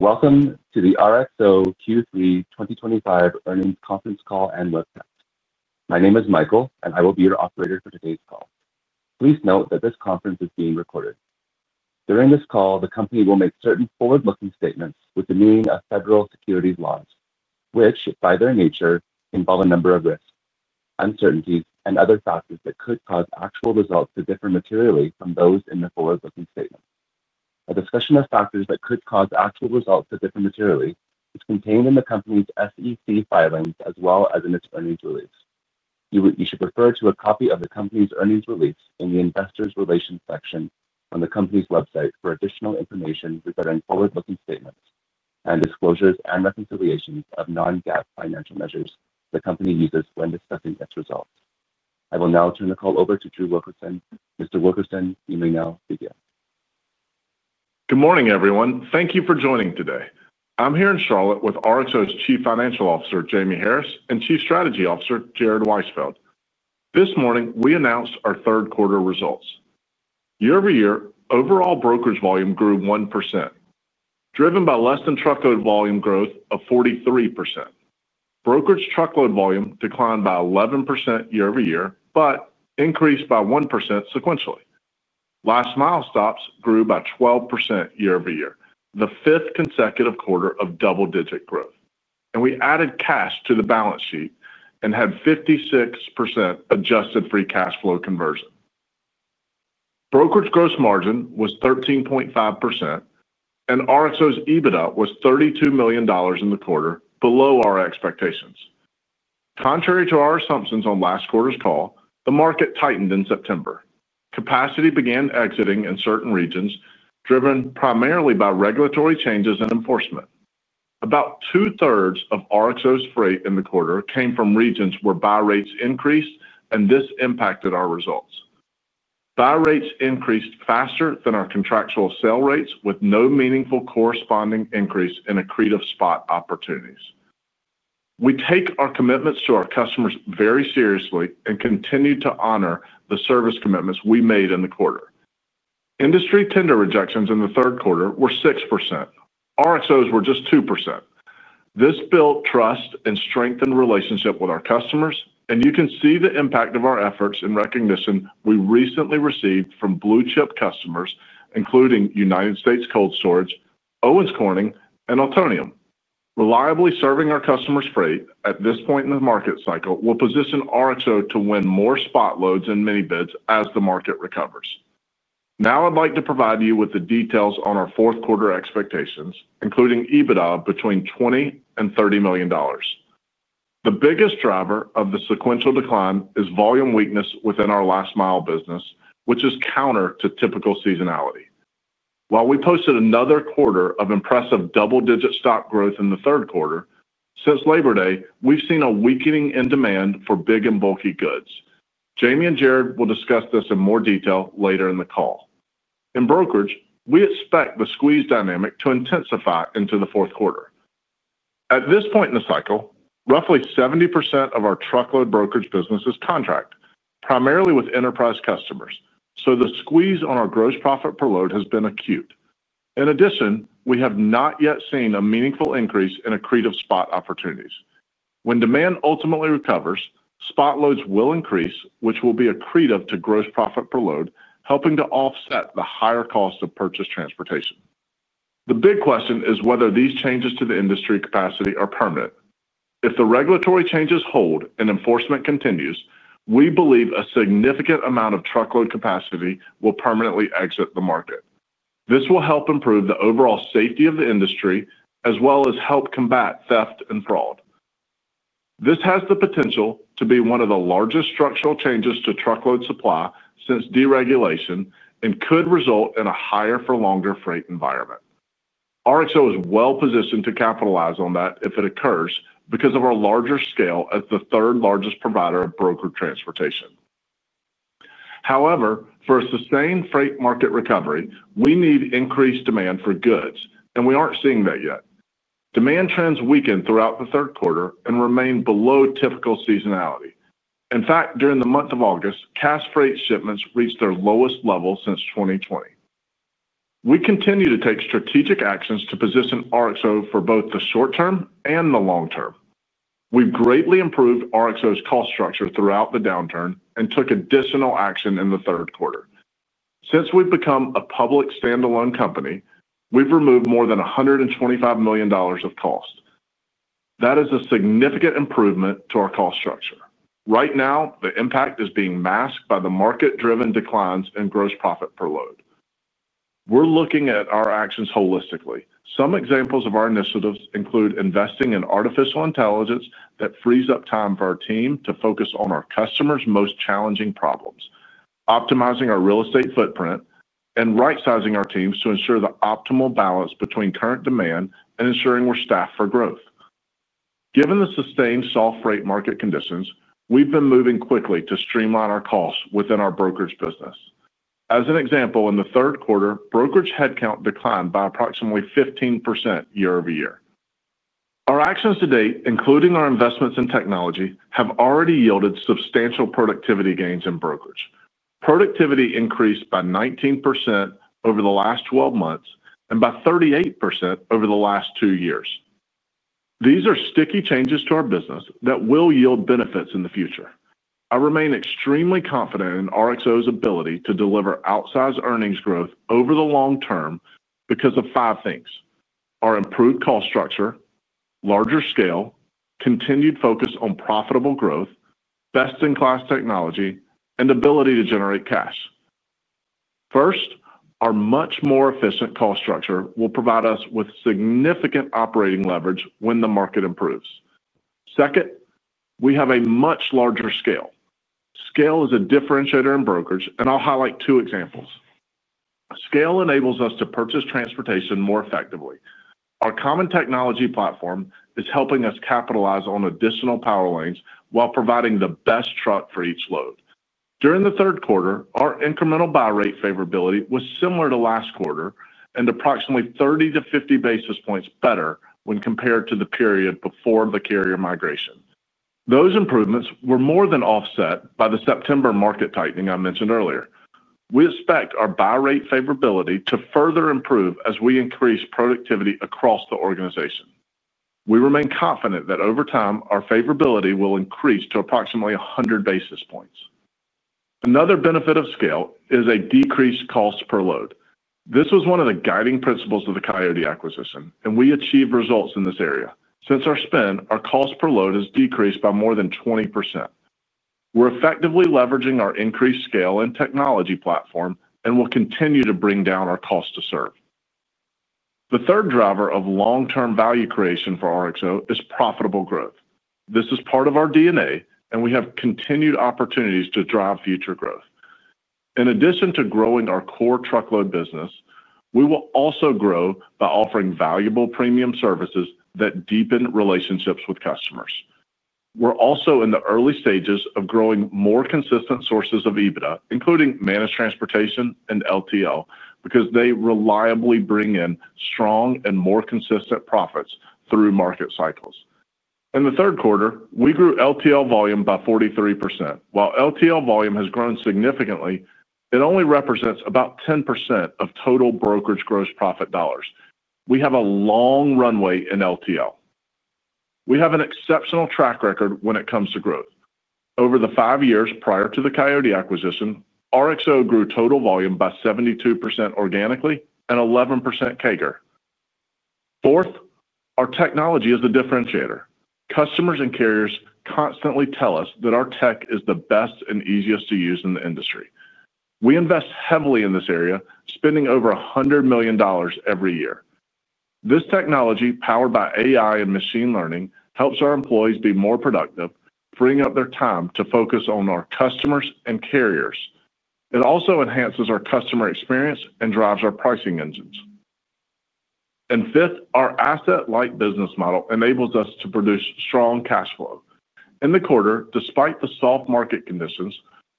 Welcome to the RXO Q3 2025 earnings conference call and website. My name is Michael, and I will be your operator for today's call. Please note that this conference is being recorded. During this call, the company will make certain forward-looking statements within the meaning of federal securities laws, which, by their nature, involve a number of risks, uncertainties, and other factors that could cause actual results to differ materially from those in the forward-looking statements. A discussion of factors that could cause actual results to differ materially is contained in the company's SEC filings as well as in its earnings release. You should refer to a copy of the company's earnings release in the Investors Relations section on the company's website for additional information regarding forward-looking statements and disclosures and reconciliations of non-GAAP financial measures the company uses when discussing its results. I will now turn the call over to Drew Wilkerson. Mr. Wilkerson, you may now begin. Good morning, everyone. Thank you for joining today. I'm here in Charlotte with RXO's Chief Financial Officer, Jamie Harris, and Chief Strategy Officer, Jared Weisfeld. This morning, we announced our third-quarter results. Year-over-year, overall brokerage volume grew 1%, driven by less-than-truckload volume growth of 43%. Brokerage truckload volume declined by 11% year-over-year but increased by 1% sequentially. Last-mile stops grew by 12% year-over-year, the fifth consecutive quarter of double-digit growth. We added cash to the balance sheet and had 56% adjusted free cash flow conversion. Brokerage gross margin was 13.5%. RXO's EBITDA was $32 million in the quarter, below our expectations. Contrary to our assumptions on last quarter's call, the market tightened in September. Capacity began exiting in certain regions, driven primarily by regulatory changes and enforcement. About two-thirds of RXO's freight in the quarter came from regions where buy rates increased, and this impacted our results. Buy rates increased faster than our contractual sale rates, with no meaningful corresponding increase in accretive spot opportunities. We take our commitments to our customers very seriously and continue to honor the service commitments we made in the quarter. Industry tender rejections in the third quarter were 6%. RXO's were just 2%. This built trust and strengthened relationships with our customers, and you can see the impact of our efforts and recognition we recently received from blue-chip customers, including United States Cold Storage, Owens Corning, and Eltonium. Reliably serving our customers' freight at this point in the market cycle will position RXO to win more spot loads and mini-bids as the market recovers. Now, I'd like to provide you with the details on our fourth-quarter expectations, including EBITDA between $20 million and $30 million. The biggest driver of the sequential decline is volume weakness within our last-mile business, which is counter to typical seasonality. While we posted another quarter of impressive double-digit stock growth in the third quarter, since Labor Day, we've seen a weakening in demand for big and bulky goods. Jamie and Jared will discuss this in more detail later in the call. In brokerage, we expect the squeeze dynamic to intensify into the fourth quarter. At this point in the cycle, roughly 70% of our truckload brokerage business is contract, primarily with enterprise customers, so the squeeze on our gross profit per load has been acute. In addition, we have not yet seen a meaningful increase in accretive spot opportunities. When demand ultimately recovers, spot loads will increase, which will be accretive to gross profit per load, helping to offset the higher cost of purchased transportation. The big question is whether these changes to the industry capacity are permanent. If the regulatory changes hold and enforcement continues, we believe a significant amount of truckload capacity will permanently exit the market. This will help improve the overall safety of the industry as well as help combat theft and fraud. This has the potential to be one of the largest structural changes to truckload supply since deregulation and could result in a higher-for-longer freight environment. RXO is well-positioned to capitalize on that if it occurs because of our larger scale as the third-largest provider of brokered transportation. However, for a sustained freight market recovery, we need increased demand for goods, and we aren't seeing that yet. Demand trends weakened throughout the third quarter and remained below typical seasonality. In fact, during the month of August, cash freight shipments reached their lowest level since 2020. We continue to take strategic actions to position RXO for both the short-term and the long-term. We've greatly improved RXO's cost structure throughout the downturn and took additional action in the third quarter. Since we've become a public standalone company, we've removed more than $125 million of cost. That is a significant improvement to our cost structure. Right now, the impact is being masked by the market-driven declines in gross profit per load. We're looking at our actions holistically. Some examples of our initiatives include investing in artificial intelligence that frees up time for our team to focus on our customers' most challenging problems, optimizing our real estate footprint, and right-sizing our teams to ensure the optimal balance between current demand and ensuring we're staffed for growth. Given the sustained soft freight market conditions, we've been moving quickly to streamline our costs within our brokerage business. As an example, in the third quarter, brokerage headcount declined by approximately 15% year-over-year. Our actions to date, including our investments in technology, have already yielded substantial productivity gains in brokerage. Productivity increased by 19% over the last 12 months and by 38% over the last two years. These are sticky changes to our business that will yield benefits in the future. I remain extremely confident in RXO's ability to deliver outsized earnings growth over the long term because of five things: our improved cost structure, larger scale, continued focus on profitable growth, best-in-class technology, and ability to generate cash. First, our much more efficient cost structure will provide us with significant operating leverage when the market improves. Second, we have a much larger scale. Scale is a differentiator in brokerage, and I'll highlight two examples. Scale enables us to purchase transportation more effectively. Our common technology platform is helping us capitalize on additional power lanes while providing the best truck for each load. During the third quarter, our incremental buy rate favorability was similar to last quarter and approximately 30-50 basis points better when compared to the period before the carrier migration. Those improvements were more than offset by the September market tightening I mentioned earlier. We expect our buy rate favorability to further improve as we increase productivity across the organization. We remain confident that over time, our favorability will increase to approximately 100 basis points. Another benefit of scale is a decreased cost per load. This was one of the guiding principles of the Coyote acquisition, and we achieved results in this area. Since our spend, our cost per load has decreased by more than 20%. We're effectively leveraging our increased scale and technology platform and will continue to bring down our cost to serve. The third driver of long-term value creation for RXO is profitable growth. This is part of our DNA, and we have continued opportunities to drive future growth. In addition to growing our core truckload business, we will also grow by offering valuable premium services that deepen relationships with customers. We're also in the early stages of growing more consistent sources of EBITDA, including managed transportation and LTL, because they reliably bring in strong and more consistent profits through market cycles. In the third quarter, we grew LTL volume by 43%. While LTL volume has grown significantly, it only represents about 10% of total brokerage gross profit dollars. We have a long runway in LTL. We have an exceptional track record when it comes to growth. Over the five years prior to the Coyote acquisition, RXO grew total volume by 72% organically and 11% CAGR. Fourth, our technology is the differentiator. Customers and carriers constantly tell us that our tech is the best and easiest to use in the industry. We invest heavily in this area, spending over $100 million every year. This technology, powered by AI and machine learning, helps our employees be more productive, freeing up their time to focus on our customers and carriers. It also enhances our customer experience and drives our pricing engines. Fifth, our asset-like business model enables us to produce strong cash flow. In the quarter, despite the soft market conditions,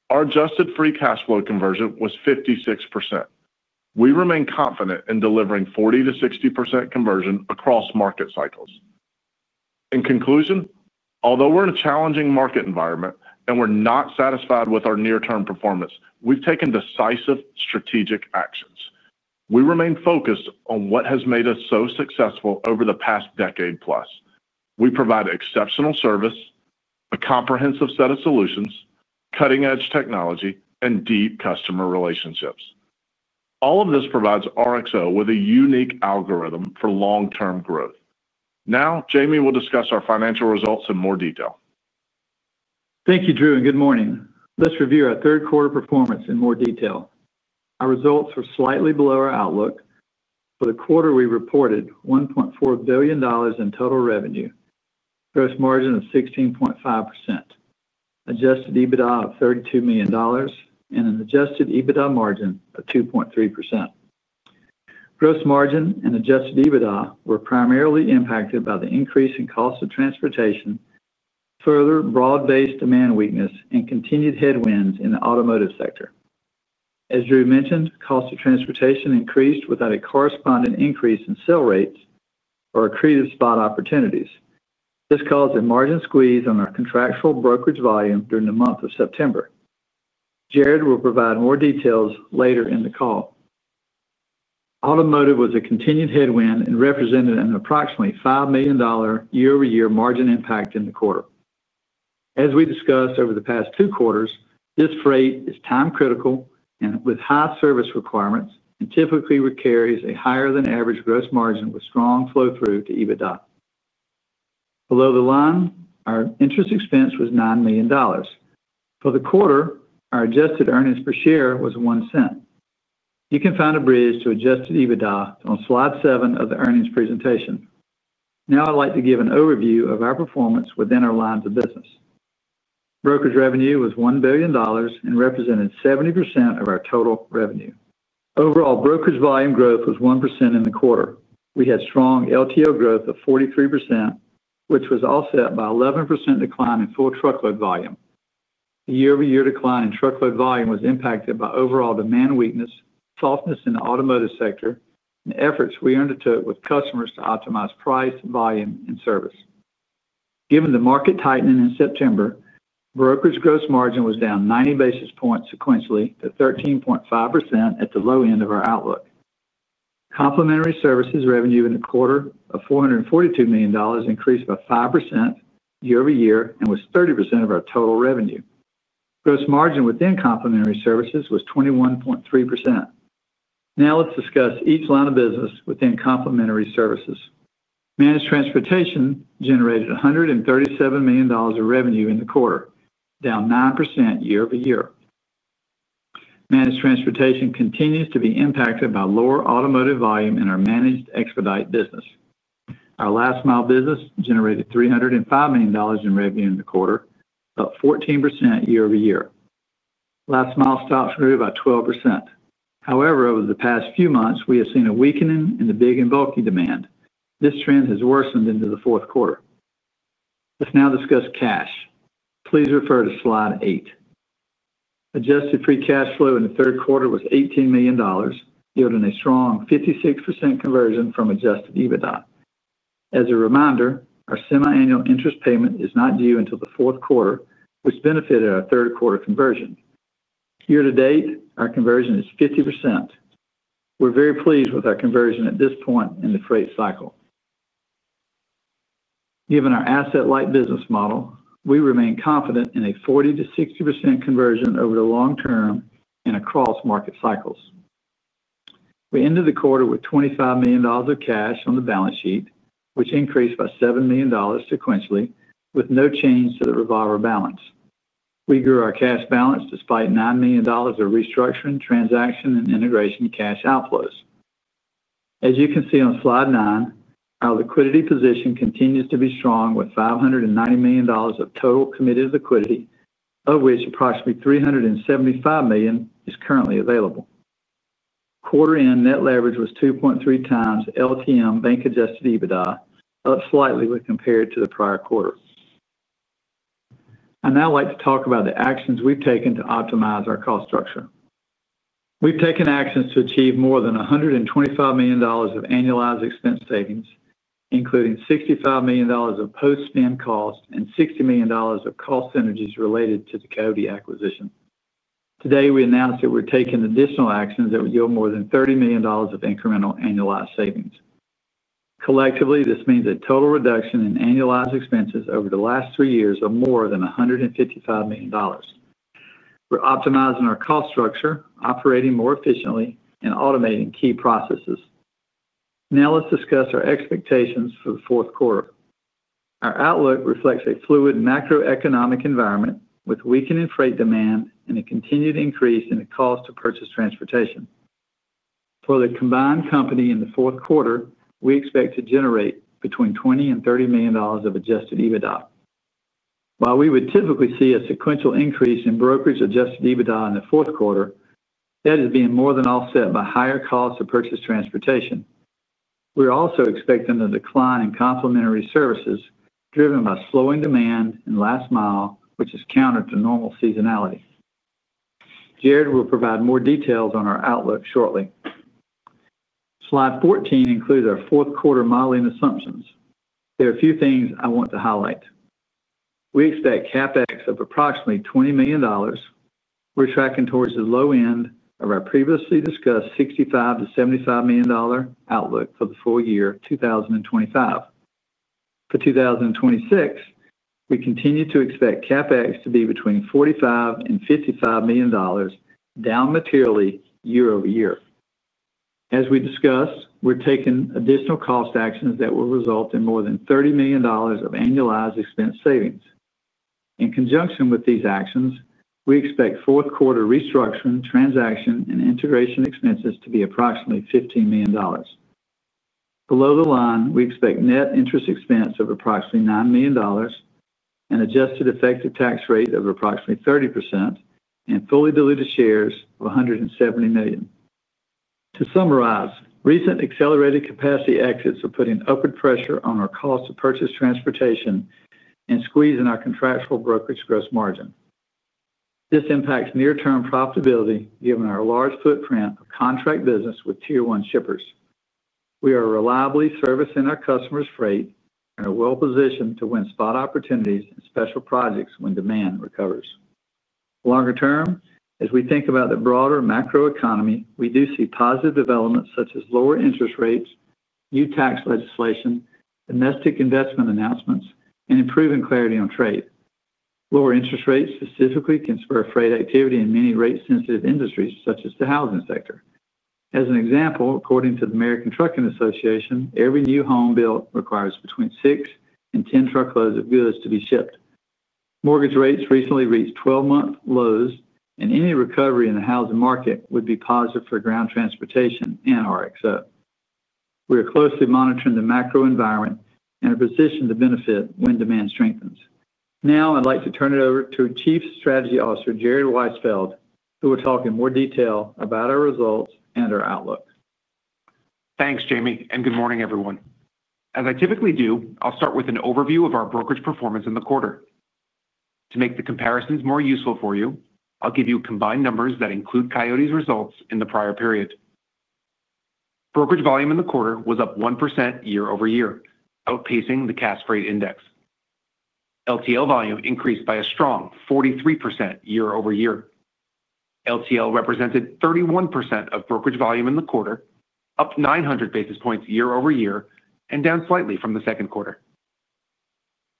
our adjusted free cash flow conversion was 56%. We remain confident in delivering 40-60% conversion across market cycles. In conclusion, although we're in a challenging market environment and we're not satisfied with our near-term performance, we've taken decisive strategic actions. We remain focused on what has made us so successful over the past decade-plus. We provide exceptional service, a comprehensive set of solutions, cutting-edge technology, and deep customer relationships. All of this provides RXO with a unique algorithm for long-term growth. Now, Jamie will discuss our financial results in more detail. Thank you, Drew, and good morning. Let's review our third-quarter performance in more detail. Our results were slightly below our outlook. For the quarter, we reported $1.4 billion in total revenue, gross margin of 16.5%, Adjusted EBITDA of $32 million, and an Adjusted EBITDA margin of 2.3%. Gross margin and Adjusted EBITDA were primarily impacted by the increase in cost of transportation, further broad-based demand weakness, and continued headwinds in the automotive sector. As Drew mentioned, cost of transportation increased without a corresponding increase in sale rates or accretive spot opportunities. This caused a margin squeeze on our contractual brokerage volume during the month of September. Jared will provide more details later in the call. Automotive was a continued headwind and represented an approximately $5 million year-over-year margin impact in the quarter. As we discussed over the past two quarters, this freight is time-critical and with high service requirements and typically carries a higher-than-average gross margin with strong flow-through to EBITDA. Below the line, our interest expense was $9 million. For the quarter, our adjusted earnings per share was $0.01. You can find a bridge to Adjusted EBITDA on slide seven of the earnings presentation. Now, I'd like to give an overview of our performance within our lines of business. Brokerage revenue was $1 billion and represented 70% of our total revenue. Overall, brokerage volume growth was 1% in the quarter. We had strong LTL growth of 43%, which was offset by an 11% decline in full truckload volume. The year-over-year decline in truckload volume was impacted by overall demand weakness, softness in the automotive sector, and efforts we undertook with customers to optimize price, volume, and service. Given the market tightening in September. Brokerage gross margin was down 90 basis points sequentially to 13.5% at the low end of our outlook. Complementary services revenue in the quarter of $442 million increased by 5% year-over-year and was 30% of our total revenue. Gross margin within complementary services was 21.3%. Now, let's discuss each line of business within complementary services. Managed transportation generated $137 million of revenue in the quarter, down 9% year-over-year. Managed transportation continues to be impacted by lower automotive volume in our managed expedite business. Our last-mile business generated $305 million in revenue in the quarter, up 14% year-over-year. Last-mile stops grew by 12%. However, over the past few months, we have seen a weakening in the big and bulky demand. This trend has worsened into the fourth quarter. Let's now discuss cash. Please refer to slide eight. Adjusted free cash flow in the third quarter was $18 million, yielding a strong 56% conversion from Adjusted EBITDA. As a reminder, our semi-annual interest payment is not due until the fourth quarter, which benefited our third-quarter conversion. Year-to-date, our conversion is 50%. We're very pleased with our conversion at this point in the freight cycle. Given our asset-light business model, we remain confident in a 40-60% conversion over the long term and across market cycles. We ended the quarter with $25 million of cash on the balance sheet, which increased by $7 million sequentially with no change to the revolver balance. We grew our cash balance despite $9 million of restructuring, transaction, and integration cash outflows. As you can see on slide nine, our liquidity position continues to be strong with $590 million of total committed liquidity, of which approximately $375 million is currently available. Quarter-end net leverage was 2.3 times LTM bank-Adjusted EBITDA, up slightly when compared to the prior quarter. I now like to talk about the actions we've taken to optimize our cost structure. We've taken actions to achieve more than $125 million of annualized expense savings, including $65 million of post-spend cost and $60 million of cost synergies related to the Coyote acquisition. Today, we announced that we're taking additional actions that would yield more than $30 million of incremental annualized savings. Collectively, this means a total reduction in annualized expenses over the last three years of more than $155 million. We're optimizing our cost structure, operating more efficiently, and automating key processes. Now, let's discuss our expectations for the fourth quarter. Our outlook reflects a fluid macroeconomic environment with weakening freight demand and a continued increase in the cost to purchase transportation. For the combined company in the fourth quarter, we expect to generate between $20 million and $30 million of Adjusted EBITDA. While we would typically see a sequential increase in brokerage Adjusted EBITDA in the fourth quarter, that is being more than offset by higher costs to purchase transportation. We're also expecting a decline in complementary services driven by slowing demand and last mile, which is counter to normal seasonality. Jared will provide more details on our outlook shortly. Slide 14 includes our fourth quarter modeling assumptions. There are a few things I want to highlight. We expect CapEx of approximately $20 million. We're tracking towards the low end of our previously discussed $65 million-$75 million outlook for the full year 2025. For 2026, we continue to expect CapEx to be between $45 million and $55 million. Down materially year-over-year. As we discussed, we're taking additional cost actions that will result in more than $30 million of annualized expense savings. In conjunction with these actions, we expect fourth quarter restructuring, transaction, and integration expenses to be approximately $15 million. Below the line, we expect net interest expense of approximately $9 million. An adjusted effective tax rate of approximately 30%, and fully diluted shares of 170 million. To summarize, recent accelerated capacity exits are putting upward pressure on our cost to purchase transportation and squeezing our contractual brokerage gross margin. This impacts near-term profitability given our large footprint of contract business with tier one shippers. We are reliably servicing our customers' freight and are well-positioned to win spot opportunities and special projects when demand recovers. Longer term, as we think about the broader macroeconomy, we do see positive developments such as lower interest rates, new tax legislation, domestic investment announcements, and improving clarity on trade. Lower interest rates specifically can spur freight activity in many rate-sensitive industries such as the housing sector. As an example, according to the American Trucking Associations, every new home built requires between six and ten truckloads of goods to be shipped. Mortgage rates recently reached 12-month lows, and any recovery in the housing market would be positive for ground transportation and RXO. We are closely monitoring the macro environment and are positioned to benefit when demand strengthens. Now, I'd like to turn it over to our Chief Strategy Officer, Jared Weisfeld, who will talk in more detail about our results and our outlook. Thanks, Jamie, and good morning, everyone. As I typically do, I'll start with an overview of our brokerage performance in the quarter. To make the comparisons more useful for you, I'll give you combined numbers that include Coyote's results in the prior period. Brokerage volume in the quarter was up 1% year-over-year, outpacing the CAS freight index. LTL volume increased by a strong 43% year-over-year. LTL represented 31% of brokerage volume in the quarter, up 900 basis points year-over-year and down slightly from the second quarter.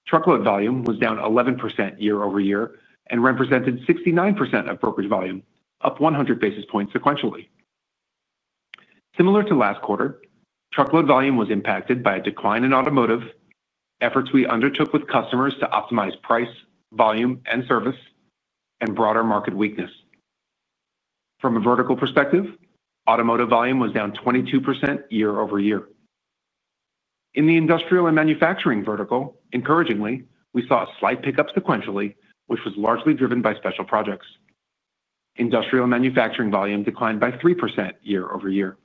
Truckload volume was down 11% year-over-year and represented 69% of brokerage volume, up 100 basis points sequentially. Similar to last quarter, truckload volume was impacted by a decline in automotive, efforts we undertook with customers to optimize price, volume, and service, and broader market weakness. From a vertical perspective, automotive volume was down 22% year-over-year. In the industrial and manufacturing vertical, encouragingly, we saw a slight pickup sequentially, which was largely driven by special projects. Industrial manufacturing volume declined by 3% year-over-year.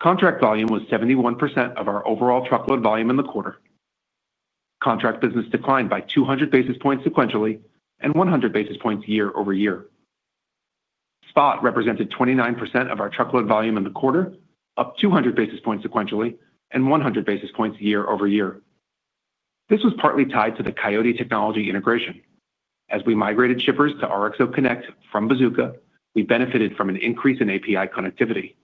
Contract volume was 71% of our overall truckload volume in the quarter. Contract business declined by 200 basis points sequentially and 100 basis points year-over-year. Spot represented 29% of our truckload volume in the quarter, up 200 basis points sequentially and 100 basis points year-over-year. This was partly tied to the Coyote technology integration. As we migrated shippers to RXO Connect from Bazooka, we benefited from an increase in API connectivity.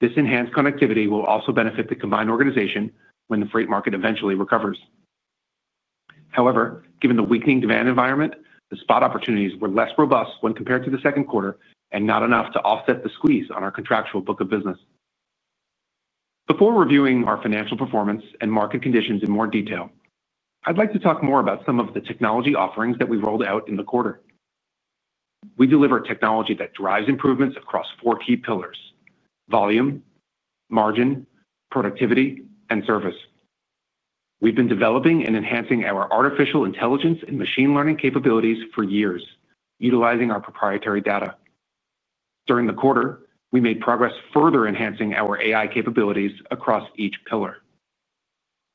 This enhanced connectivity will also benefit the combined organization when the freight market eventually recovers. However, given the weakening demand environment, the spot opportunities were less robust when compared to the second quarter and not enough to offset the squeeze on our contractual book of business. Before reviewing our financial performance and market conditions in more detail, I'd like to talk more about some of the technology offerings that we rolled out in the quarter. We deliver technology that drives improvements across four key pillars: volume, margin, productivity, and service. We've been developing and enhancing our artificial intelligence and machine learning capabilities for years, utilizing our proprietary data. During the quarter, we made progress further enhancing our AI capabilities across each pillar.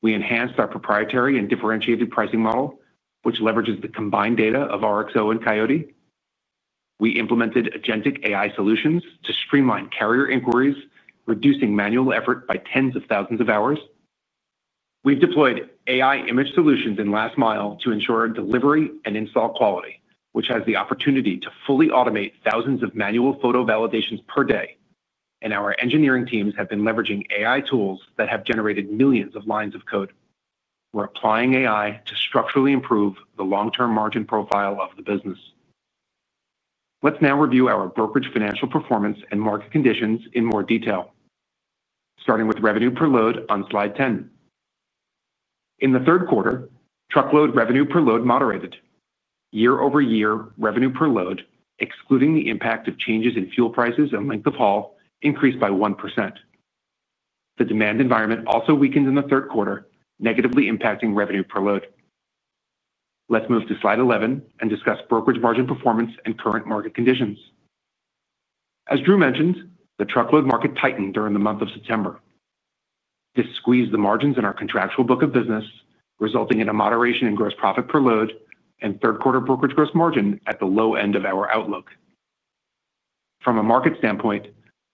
We enhanced our proprietary and differentiated pricing model, which leverages the combined data of RXO and Coyote. We implemented agentic AI solutions to streamline carrier inquiries, reducing manual effort by tens of thousands of hours. We've deployed AI image solutions in last mile to ensure delivery and install quality, which has the opportunity to fully automate thousands of manual photo validations per day. Our engineering teams have been leveraging AI tools that have generated millions of lines of code. We're applying AI to structurally improve the long-term margin profile of the business. Let's now review our brokerage financial performance and market conditions in more detail. Starting with revenue per load on slide 10. In the third quarter, truckload revenue per load moderated. Year-over-year revenue per load, excluding the impact of changes in fuel prices and length of haul, increased by 1%. The demand environment also weakened in the third quarter, negatively impacting revenue per load. Let's move to slide 11 and discuss brokerage margin performance and current market conditions. As Drew mentioned, the truckload market tightened during the month of September. This squeezed the margins in our contractual book of business, resulting in a moderation in gross profit per load and third-quarter brokerage gross margin at the low end of our outlook. From a market standpoint,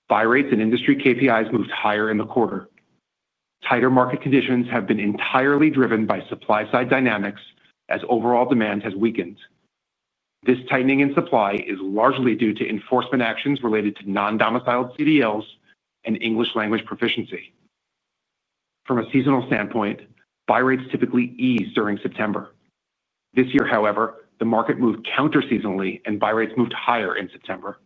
buy rates and industry KPIs moved higher in the quarter. Tighter market conditions have been entirely driven by supply-side dynamics as overall demand has weakened. This tightening in supply is largely due to enforcement actions related to non-domiciled CDLs and English language proficiency. From a seasonal standpoint, buy rates typically eased during September. This year, however, the market moved counter-seasonally, and buy rates moved higher in September.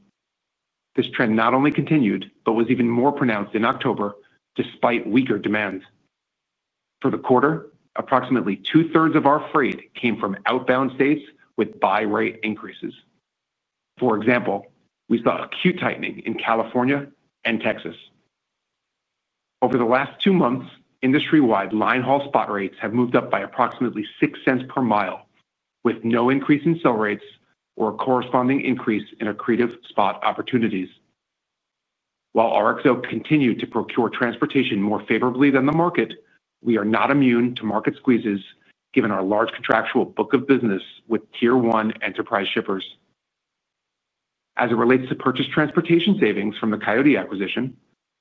This trend not only continued, but was even more pronounced in October, despite weaker demand. For the quarter, approximately two-thirds of our freight came from outbound states with buy rate increases. For example, we saw acute tightening in California and Texas. Over the last two months, industry-wide line haul spot rates have moved up by approximately 6 cents per mile, with no increase in sale rates or a corresponding increase in accretive spot opportunities. While RXO continued to procure transportation more favorably than the market, we are not immune to market squeezes given our large contractual book of business with tier one enterprise shippers. As it relates to purchase transportation savings from the Coyote acquisition,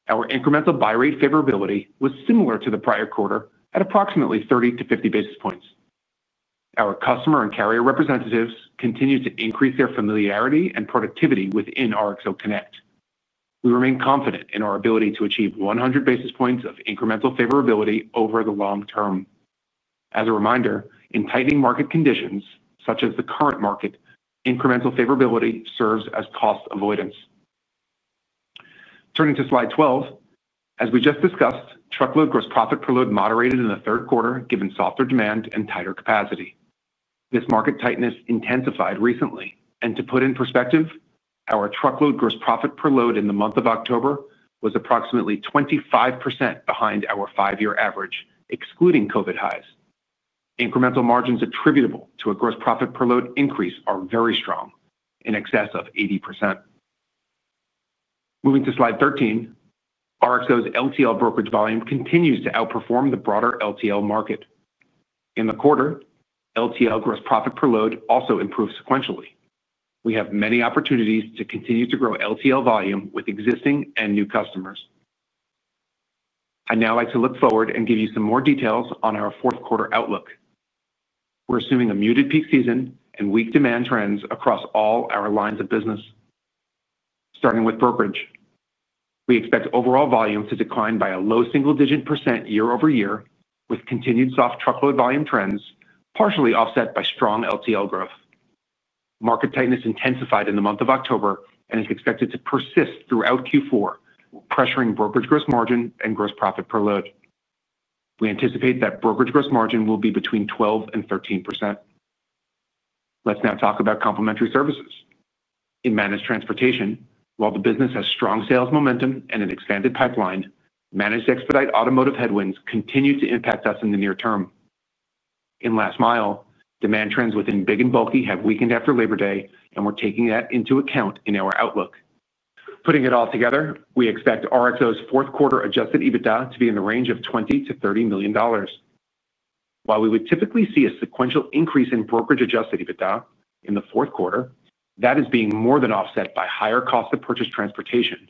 our incremental buy rate favorability was similar to the prior quarter at approximately 30-50 basis points. Our customer and carrier representatives continue to increase their familiarity and productivity within RXO Connect. We remain confident in our ability to achieve 100 basis points of incremental favorability over the long term. As a reminder, in tightening market conditions, such as the current market, incremental favorability serves as cost avoidance. Turning to slide 12, as we just discussed, truckload gross profit per load moderated in the third quarter given softer demand and tighter capacity. This market tightness intensified recently. To put in perspective, our truckload gross profit per load in the month of October was approximately 25% behind our five-year average, excluding COVID highs. Incremental margins attributable to a gross profit per load increase are very strong, in excess of 80%. Moving to slide 13. RXO's LTL brokerage volume continues to outperform the broader LTL market. In the quarter, LTL gross profit per load also improved sequentially. We have many opportunities to continue to grow LTL volume with existing and new customers. I'd now like to look forward and give you some more details on our fourth quarter outlook. We're assuming a muted peak season and weak demand trends across all our lines of business. Starting with brokerage, we expect overall volume to decline by a low single-digit percent year-over-year, with continued soft truckload volume trends partially offset by strong LTL growth. Market tightness intensified in the month of October and is expected to persist throughout Q4, pressuring brokerage gross margin and gross profit per load. We anticipate that brokerage gross margin will be between 12% and 13%. Let's now talk about complementary services. In managed transportation, while the business has strong sales momentum and an expanded pipeline, managed expedite automotive headwinds continue to impact us in the near term. In last mile, demand trends within big and bulky have weakened after Labor Day, and we're taking that into account in our outlook. Putting it all together, we expect RXO's fourth quarter Adjusted EBITDA to be in the range of $20-$30 million. While we would typically see a sequential increase in brokerage Adjusted EBITDA in the fourth quarter, that is being more than offset by higher cost of purchase transportation.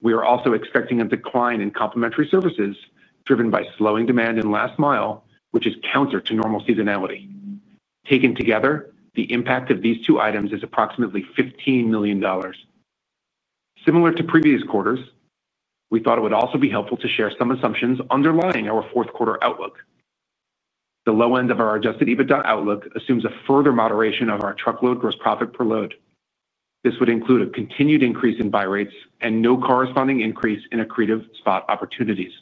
We are also expecting a decline in complementary services driven by slowing demand in last mile, which is counter to normal seasonality. Taken together, the impact of these two items is approximately $15 million. Similar to previous quarters, we thought it would also be helpful to share some assumptions underlying our fourth quarter outlook. The low end of our Adjusted EBITDA outlook assumes a further moderation of our truckload gross profit per load. This would include a continued increase in buy rates and no corresponding increase in accretive spot opportunities.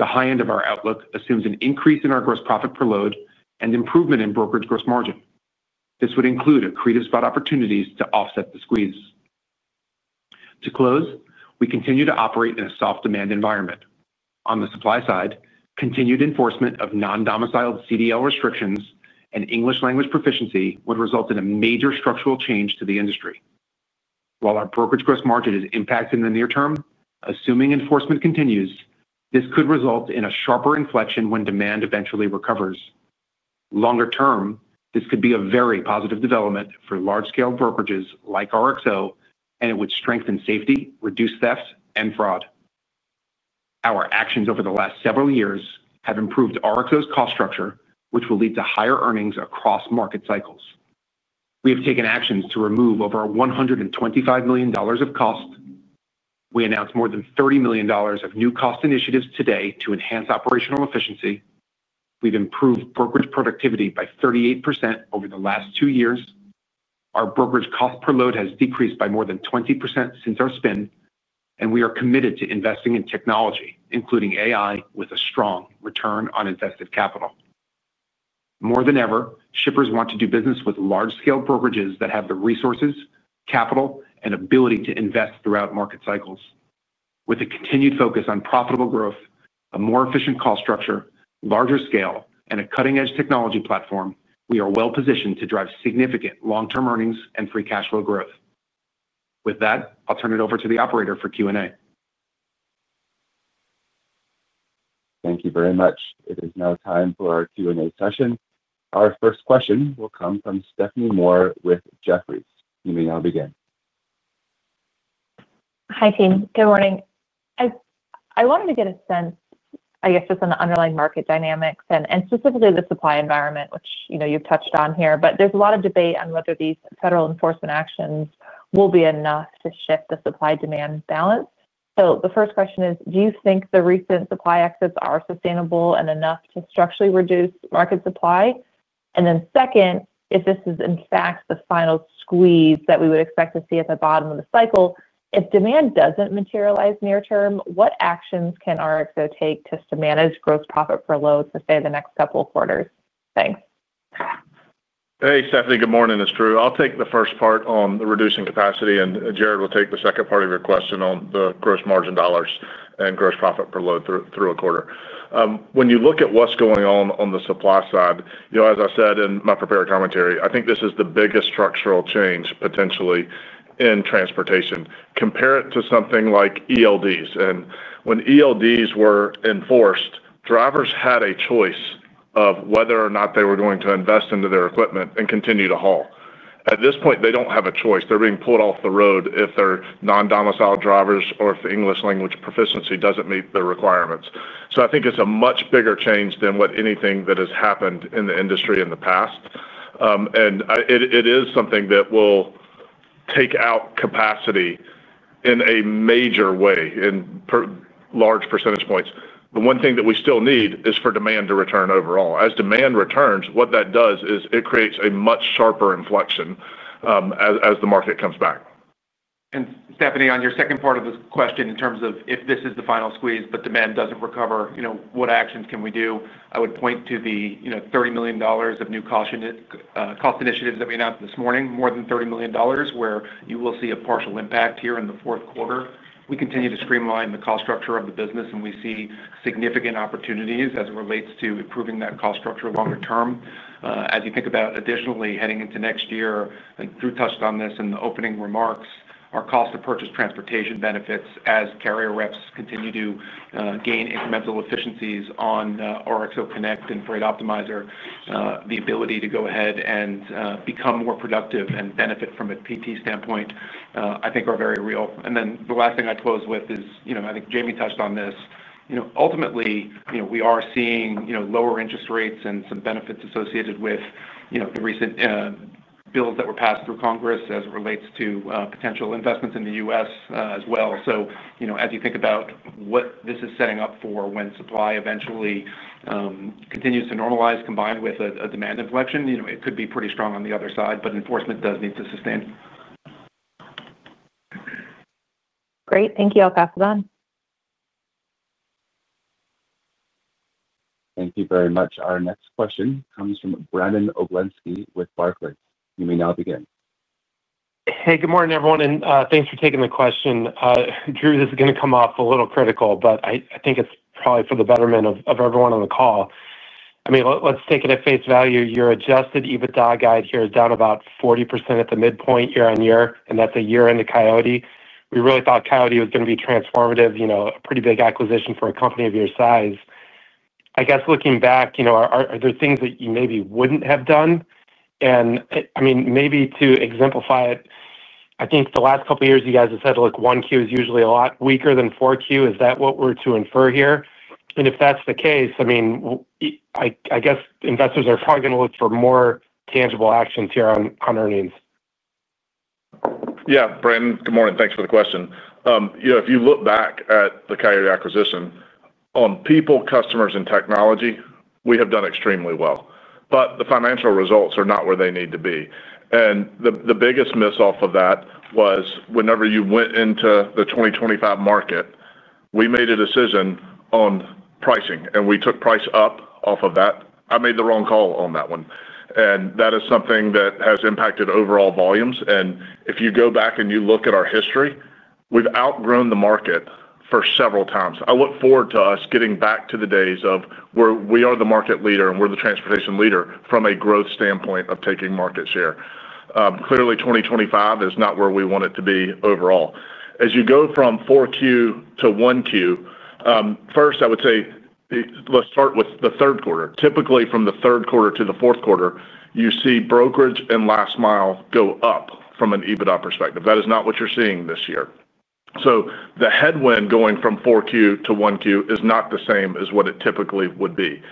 The high end of our outlook assumes an increase in our gross profit per load and improvement in brokerage gross margin. This would include accretive spot opportunities to offset the squeeze. To close, we continue to operate in a soft demand environment. On the supply side, continued enforcement of non-domiciled CDL restrictions and English language proficiency would result in a major structural change to the industry. While our brokerage gross margin is impacted in the near term, assuming enforcement continues, this could result in a sharper inflection when demand eventually recovers. Longer term, this could be a very positive development for large-scale brokerages like RXO, and it would strengthen safety, reduce theft, and fraud. Our actions over the last several years have improved RXO's cost structure, which will lead to higher earnings across market cycles. We have taken actions to remove over $125 million of cost. We announced more than $30 million of new cost initiatives today to enhance operational efficiency. We've improved brokerage productivity by 38% over the last two years. Our brokerage cost per load has decreased by more than 20% since our spin, and we are committed to investing in technology, including AI, with a strong return on invested capital. More than ever, shippers want to do business with large-scale brokerages that have the resources, capital, and ability to invest throughout market cycles. With a continued focus on profitable growth, a more efficient cost structure, larger scale, and a cutting-edge technology platform, we are well-positioned to drive significant long-term earnings and free cash flow growth. With that, I'll turn it over to the operator for Q&A. Thank you very much. It is now time for our Q&A session. Our first question will come from Stephanie Moore with Jefferies. You may now begin. Hi, team. Good morning. I wanted to get a sense, I guess, just on the underlying market dynamics and specifically the supply environment, which you've touched on here, but there's a lot of debate on whether these federal enforcement actions will be enough to shift the supply-demand balance. The first question is, do you think the recent supply exits are sustainable and enough to structurally reduce market supply? The second, if this is, in fact, the final squeeze that we would expect to see at the bottom of the cycle, if demand doesn't materialize near term, what actions can RXO take just to manage gross profit per load for, say, the next couple of quarters? Thanks. Hey, Stephanie. Good morning, it's Drew. I'll take the first part on the reducing capacity, and Jared will take the second part of your question on the gross margin dollars and gross profit per load through a quarter. When you look at what's going on on the supply side, as I said in my prepared commentary, I think this is the biggest structural change potentially in transportation. Compare it to something like ELDs. When ELDs were enforced, drivers had a choice of whether or not they were going to invest into their equipment and continue to haul. At this point, they do not have a choice. They are being pulled off the road if they are non-domiciled drivers or if the English language proficiency does not meet the requirements. I think it's a much bigger change than anything that has happened in the industry in the past. It is something that will take out capacity in a major way in large percentage points. The one thing that we still need is for demand to return overall. As demand returns, what that does is it creates a much sharper inflection as the market comes back. Stephanie, on your second part of the question in terms of if this is the final squeeze, but demand does not recover, what actions can we do? I would point to the $30 million of new cost initiatives that we announced this morning, more than $30 million, where you will see a partial impact here in the fourth quarter. We continue to streamline the cost structure of the business, and we see significant opportunities as it relates to improving that cost structure longer term. As you think about additionally heading into next year, and Drew touched on this in the opening remarks, our cost of purchase transportation benefits as carrier reps continue to gain incremental efficiencies on RXO Connect and Freight Optimizer. The ability to go ahead and become more productive and benefit from a PT standpoint, I think, are very real. The last thing I'd close with is, I think Jamie touched on this. Ultimately, we are seeing lower interest rates and some benefits associated with the recent bills that were passed through Congress as it relates to potential investments in the U.S. as well. As you think about what this is setting up for when supply eventually continues to normalize combined with a demand inflection, it could be pretty strong on the other side, but enforcement does need to sustain. Great. Thank you. I'll pass it on. Thank you very much. Our next question comes from Brandon Oglenski with Barclays. You may now begin. Hey, good morning, everyone, and thanks for taking the question. Drew, this is going to come off a little critical, but I think it's probably for the betterment of everyone on the call. I mean, let's take it at face value. Your Adjusted EBITDA guide here is down about 40% at the midpoint year on year, and that's a year in the Coyote. We really thought Coyote was going to be transformative, a pretty big acquisition for a company of your size. I guess looking back, are there things that you maybe wouldn't have done? I mean, maybe to exemplify it, I think the last couple of years you guys have said 1Q is usually a lot weaker than 4Q. Is that what we're to infer here? If that's the case, I mean, I guess investors are probably going to look for more tangible actions here on earnings. Yeah, Brandon, good morning. Thanks for the question. If you look back at the Coyote acquisition, on people, customers, and technology, we have done extremely well. The financial results are not where they need to be. The biggest miss off of that was whenever you went into the 2025 market, we made a decision on pricing, and we took price up off of that. I made the wrong call on that one. That is something that has impacted overall volumes. If you go back and you look at our history, we've outgrown the market for several times. I look forward to us getting back to the days of where we are the market leader and we're the transportation leader from a growth standpoint of taking market share. Clearly, 2025 is not where we want it to be overall. As you go from 4Q to1Q. First, I would say. Let's start with the third quarter. Typically, from the third quarter to the fourth quarter, you see brokerage and last mile go up from an EBITDA perspective. That is not what you're seeing this year. The headwind going from 4Q to 1Q is not the same as what it typically would be.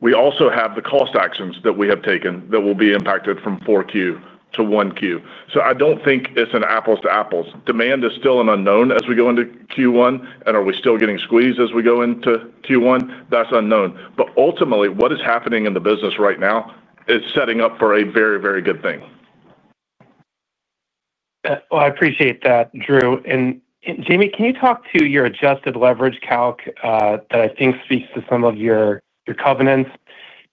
We also have the cost actions that we have taken that will be impacted from 4Q to 1Q. I do not think it's an apples to apples. Demand is still an unknown as we go into Q1, and are we still getting squeezed as we go into Q1? That's unknown. Ultimately, what is happening in the business right now is setting up for a very, very good thing. I appreciate that, Drew. Jamie, can you talk to your adjusted leverage calc that I think speaks to some of your covenants?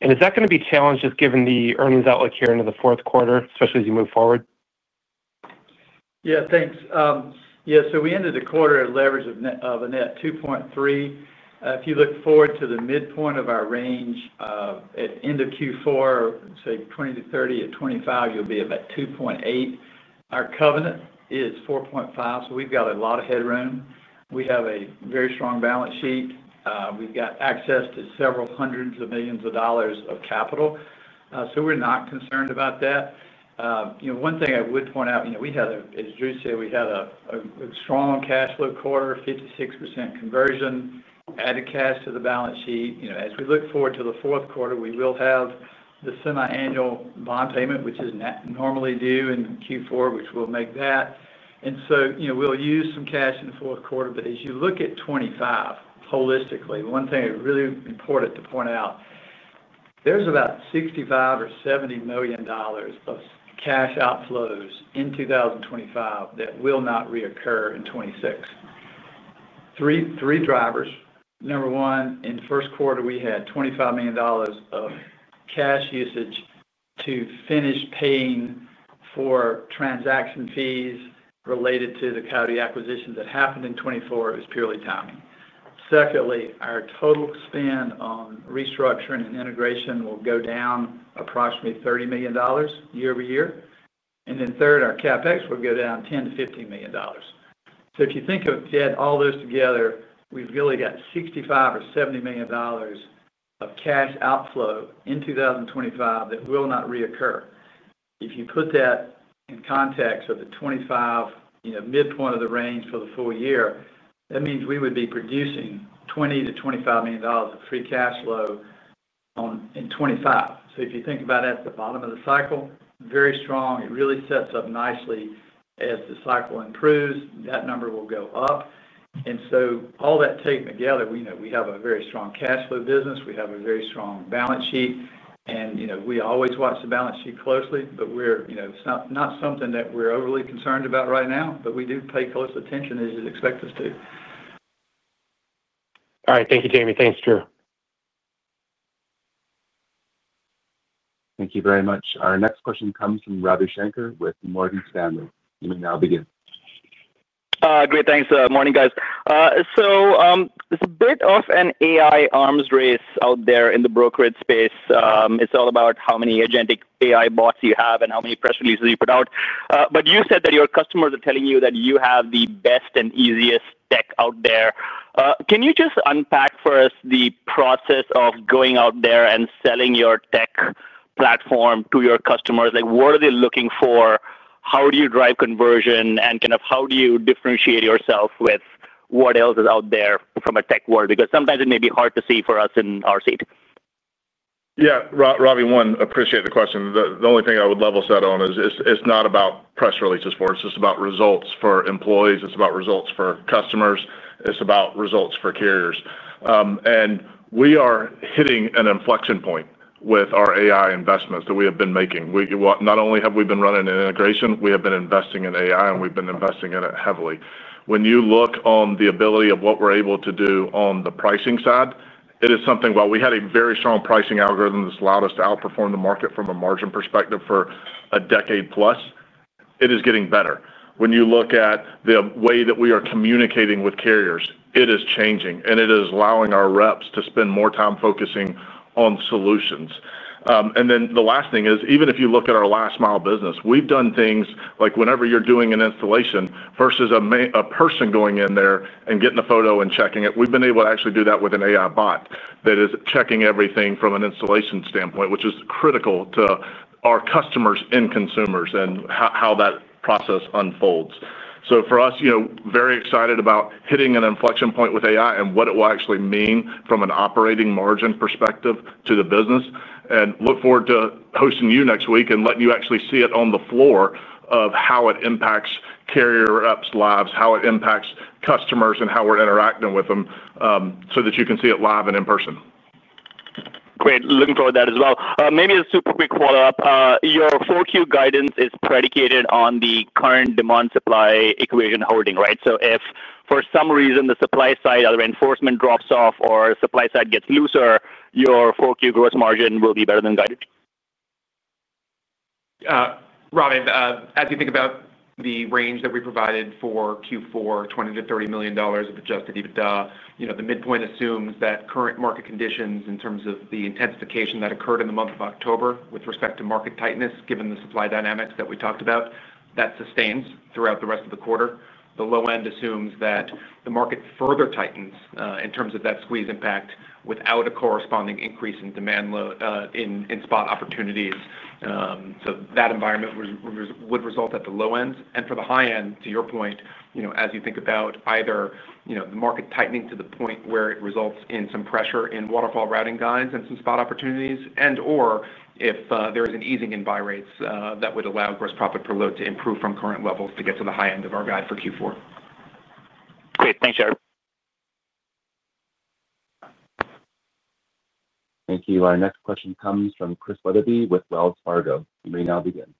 Is that going to be challenged just given the earnings outlook here into the fourth quarter, especially as you move forward? Yeah, thanks. Yeah, so we ended the quarter at leverage of a net 2.3. If you look forward to the midpoint of our range at end of Q4, say 20-30, at 25, you'll be at about 2.8. Our covenant is 4.5, so we've got a lot of headroom. We have a very strong balance sheet. We've got access to several hundreds of millions of dollars of capital. So we're not concerned about that. One thing I would point out, as Drew said, we had a strong cash flow quarter, 56% conversion, added cash to the balance sheet. As we look forward to the fourth quarter, we will have the semi-annual bond payment, which is normally due in Q4, which will make that. We will use some cash in the fourth quarter. As you look at 25, holistically, one thing really important to point out. There's about $65 or $70 million of cash outflows in 2025 that will not reoccur in 2026. Three drivers. Number one, in the first quarter, we had $25 million of cash usage to finish paying for transaction fees related to the Coyote acquisition that happened in 2024. It was purely timing. Secondly, our total spend on restructuring and integration will go down approximately $30 million year-over-year. Third, our CapEx will go down $10-$15 million. If you add all those together, we've really got $65 or $70 million of cash outflow in 2025 that will not reoccur. If you put that in context of the 2025 midpoint of the range for the full year, that means we would be producing $20-$25 million of free cash flow in 2025. If you think about that at the bottom of the cycle, very strong. It really sets up nicely as the cycle improves. That number will go up. All that taken together, we have a very strong cash flow business. We have a very strong balance sheet. We always watch the balance sheet closely, but it's not something that we're overly concerned about right now, but we do pay close attention as you'd expect us to. All right. Thank you, Jamie. Thanks, Drew. Thank you very much. Our next question comes from Ravi Shankar with Morgan Stanley. You may now begin. Great. Thanks. Morning, guys. There is a bit of an AI arms race out there in the brokerage space. It is all about how many agentic AI bots you have and how many press releases you put out. You said that your customers are telling you that you have the best and easiest tech out there. Can you just unpack for us the process of going out there and selling your tech platform to your customers? What are they looking for? How do you drive conversion? Kind of how do you differentiate yourself with what else is out there from a tech world? Sometimes it may be hard to see for us in our seat. Yeah. Ravi, one, appreciate the question. The only thing I would level set on is it's not about press releases for us. It's about results for employees. It's about results for customers. It's about results for carriers. We are hitting an inflection point with our AI investments that we have been making. Not only have we been running an integration, we have been investing in AI, and we've been investing in it heavily. When you look on the ability of what we're able to do on the pricing side, it is something, while we had a very strong pricing algorithm that's allowed us to outperform the market from a margin perspective for a decade plus, it is getting better. When you look at the way that we are communicating with carriers, it is changing, and it is allowing our reps to spend more time focusing on solutions. The last thing is, even if you look at our last mile business, we've done things like whenever you're doing an installation versus a person going in there and getting a photo and checking it, we've been able to actually do that with an AI bot that is checking everything from an installation standpoint, which is critical to our customers and consumers and how that process unfolds. For us, very excited about hitting an inflection point with AI and what it will actually mean from an operating margin perspective to the business. I look forward to hosting you next week and letting you actually see it on the floor of how it impacts carrier reps' lives, how it impacts customers, and how we're interacting with them so that you can see it live and in person. Great. Looking forward to that as well. Maybe a super quick follow-up. Your 4Q guidance is predicated on the current demand-supply equation holding, right? If for some reason the supply side, other enforcement drops off or supply side gets looser, your 4Q gross margin will be better than guided. Ravi, as you think about the range that we provided for Q4, $20-$30 million of adjusted EBITDA, the midpoint assumes that current market conditions in terms of the intensification that occurred in the month of October with respect to market tightness, given the supply dynamics that we talked about, that sustains throughout the rest of the quarter. The low end assumes that the market further tightens in terms of that squeeze impact without a corresponding increase in spot opportunities. That environment would result at the low end. For the high end, to your point, as you think about either the market tightening to the point where it results in some pressure in waterfall routing guides and some spot opportunities, and/or if there is an easing in buy rates that would allow gross profit per load to improve from current levels to get to the high end of our guide for Q4. Great. Thanks, Jared. Thank you. Our next question comes from Chris Wetherbee with Wells Fargo. You may now begin.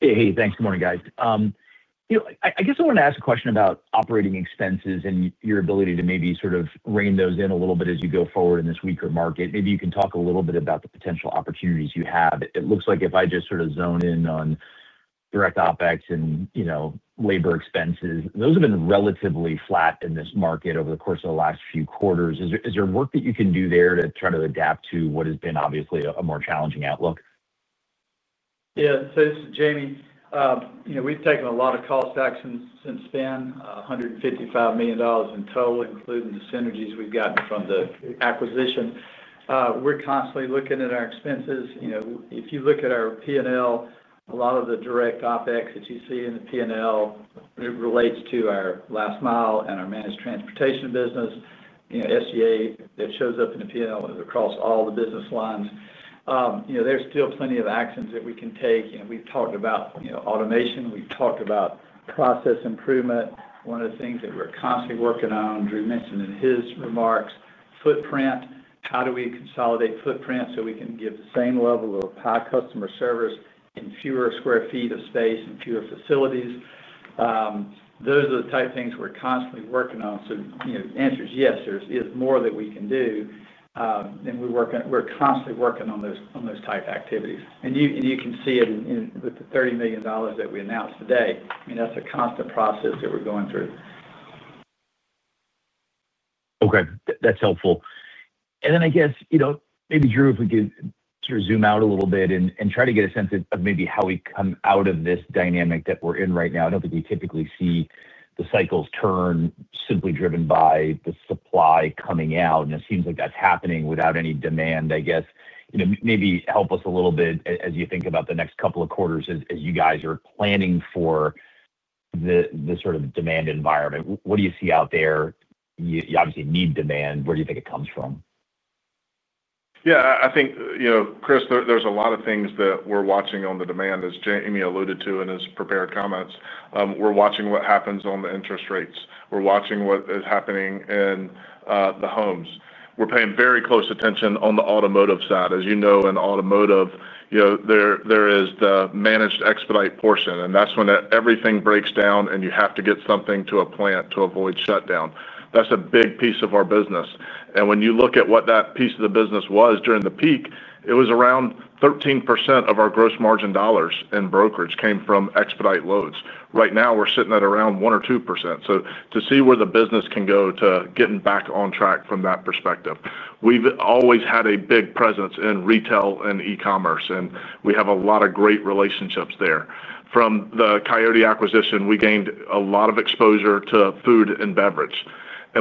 Hey, thanks. Good morning, guys. I guess I want to ask a question about operating expenses and your ability to maybe sort of rein those in a little bit as you go forward in this weaker market. Maybe you can talk a little bit about the potential opportunities you have. It looks like if I just sort of zone in on direct OpEx and labor expenses, those have been relatively flat in this market over the course of the last few quarters. Is there work that you can do there to try to adapt to what has been obviously a more challenging outlook? Yeah. This is Jamie. We've taken a lot of cost actions since then, $155 million in total, including the synergies we've gotten from the acquisition. We're constantly looking at our expenses. If you look at our P&L, a lot of the direct OpEx that you see in the P&L relates to our last mile and our managed transportation business. SG&A shows up in the P&L across all the business lines. There's still plenty of actions that we can take. We've talked about automation. We've talked about process improvement. One of the things that we're constantly working on, Drew mentioned in his remarks, is footprint. How do we consolidate footprint so we can give the same level of high customer service in fewer square feet of space and fewer facilities? Those are the type of things we're constantly working on. Yes, there is more that we can do. And we're constantly working on those type activities. You can see it with the $30 million that we announced today. I mean, that's a constant process that we're going through. Okay. That's helpful. I guess maybe, Drew, if we could sort of zoom out a little bit and try to get a sense of maybe how we come out of this dynamic that we're in right now. I don't think we typically see the cycles turn simply driven by the supply coming out. It seems like that's happening without any demand, I guess. Maybe help us a little bit as you think about the next couple of quarters as you guys are planning for. The sort of demand environment. What do you see out there? You obviously need demand. Where do you think it comes from? Yeah. I think, Chris, there's a lot of things that we're watching on the demand, as Jamie alluded to in his prepared comments. We're watching what happens on the interest rates. We're watching what is happening in the homes. We're paying very close attention on the automotive side. As you know, in automotive, there is the managed expedite portion, and that's when everything breaks down and you have to get something to a plant to avoid shutdown. That's a big piece of our business. When you look at what that piece of the business was during the peak, it was around 13% of our gross margin dollars in brokerage came from expedite loads. Right now, we're sitting at around 1% or 2%. To see where the business can go to getting back on track from that perspective. We've always had a big presence in retail and e-commerce, and we have a lot of great relationships there. From the Coyote acquisition, we gained a lot of exposure to food and beverage.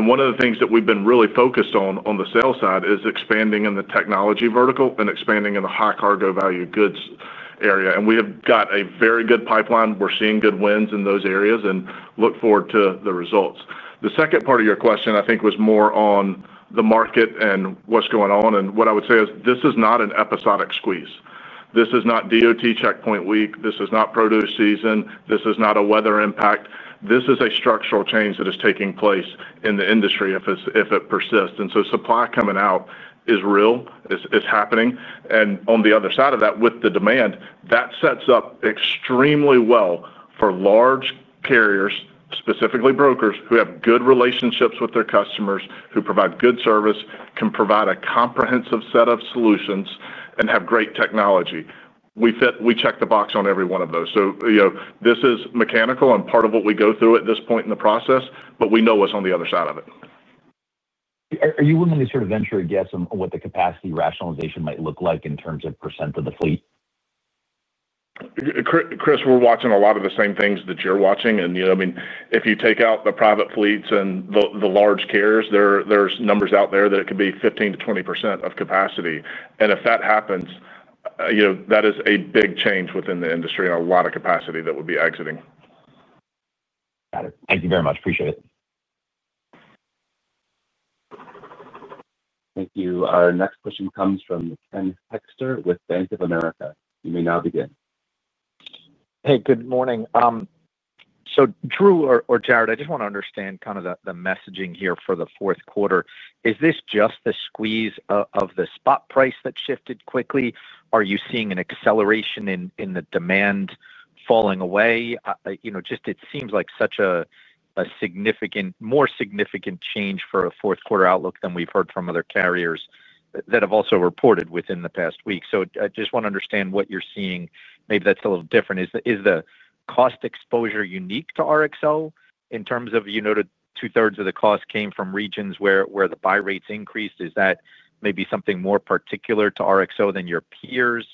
One of the things that we've been really focused on on the sales side is expanding in the technology vertical and expanding in the high cargo value goods area. We have got a very good pipeline. We're seeing good wins in those areas and look forward to the results. The second part of your question, I think, was more on the market and what's going on. What I would say is this is not an episodic squeeze. This is not DOT checkpoint week. This is not produce season. This is not a weather impact. This is a structural change that is taking place in the industry if it persists. Supply coming out is real. It is happening. On the other side of that, with the demand, that sets up extremely well for large carriers, specifically brokers, who have good relationships with their customers, who provide good service, can provide a comprehensive set of solutions, and have great technology. We check the box on every one of those. This is mechanical and part of what we go through at this point in the process, but we know what is on the other side of it. Are you willing to sort of venture a guess on what the capacity rationalization might look like in terms of % of the fleet? Chris, we're watching a lot of the same things that you're watching. I mean, if you take out the private fleets and the large carriers, there's numbers out there that it could be 15-20% of capacity. If that happens, that is a big change within the industry and a lot of capacity that would be exiting. Got it. Thank you very much. Appreciate it. Thank you. Our next question comes from Ken Hoexter with Bank of America. You may now begin. Hey, good morning. Drew or Jared, I just want to understand kind of the messaging here for the fourth quarter. Is this just the squeeze of the spot price that shifted quickly? Are you seeing an acceleration in the demand falling away? It seems like such a more significant change for a fourth quarter outlook than we've heard from other carriers that have also reported within the past week. I just want to understand what you're seeing. Maybe that's a little different. Is the cost exposure unique to RXO in terms of two-thirds of the cost came from regions where the buy rates increased? Is that maybe something more particular to RXO than your peers,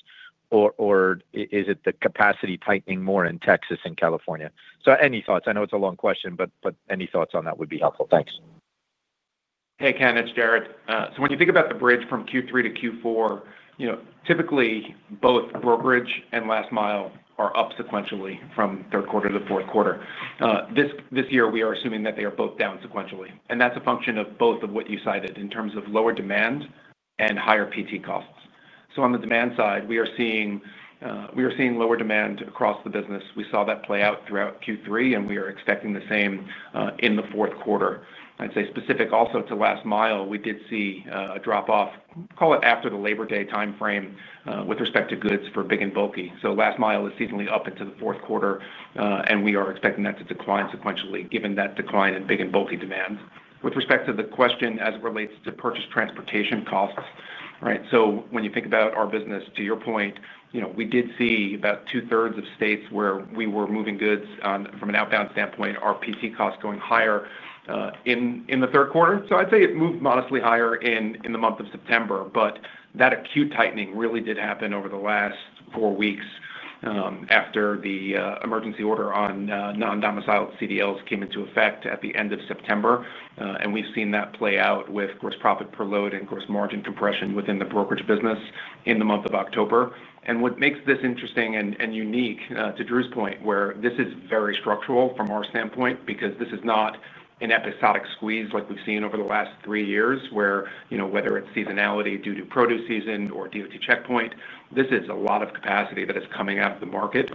or is it the capacity tightening more in Texas and California? Any thoughts? I know it's a long question, but any thoughts on that would be helpful. Thanks. Hey, Ken, it's Jared. When you think about the bridge from Q3 to Q4, typically, both brokerage and last mile are up sequentially from third quarter to fourth quarter. This year, we are assuming that they are both down sequentially. That is a function of both what you cited in terms of lower demand and higher PT costs. On the demand side, we are seeing lower demand across the business. We saw that play out throughout Q3, and we are expecting the same in the fourth quarter. I'd say specific also to last mile, we did see a drop-off, call it after the Labor Day timeframe, with respect to goods for big and bulky. Last mile is seasonally up into the fourth quarter, and we are expecting that to decline sequentially, given that decline in big and bulky demand. With respect to the question as it relates to purchase transportation costs, right? So when you think about our business, to your point, we did see about two-thirds of states where we were moving goods from an outbound standpoint, our PT costs going higher. In the third quarter. I'd say it moved modestly higher in the month of September, but that acute tightening really did happen over the last four weeks. After the emergency order on non-domiciled CDLs came into effect at the end of September. We've seen that play out with gross profit per load and gross margin compression within the brokerage business in the month of October. What makes this interesting and unique to Drew's point, where this is very structural from our standpoint because this is not an episodic squeeze like we have seen over the last three years, where whether it is seasonality due to produce season or DOT checkpoint, this is a lot of capacity that is coming out of the market.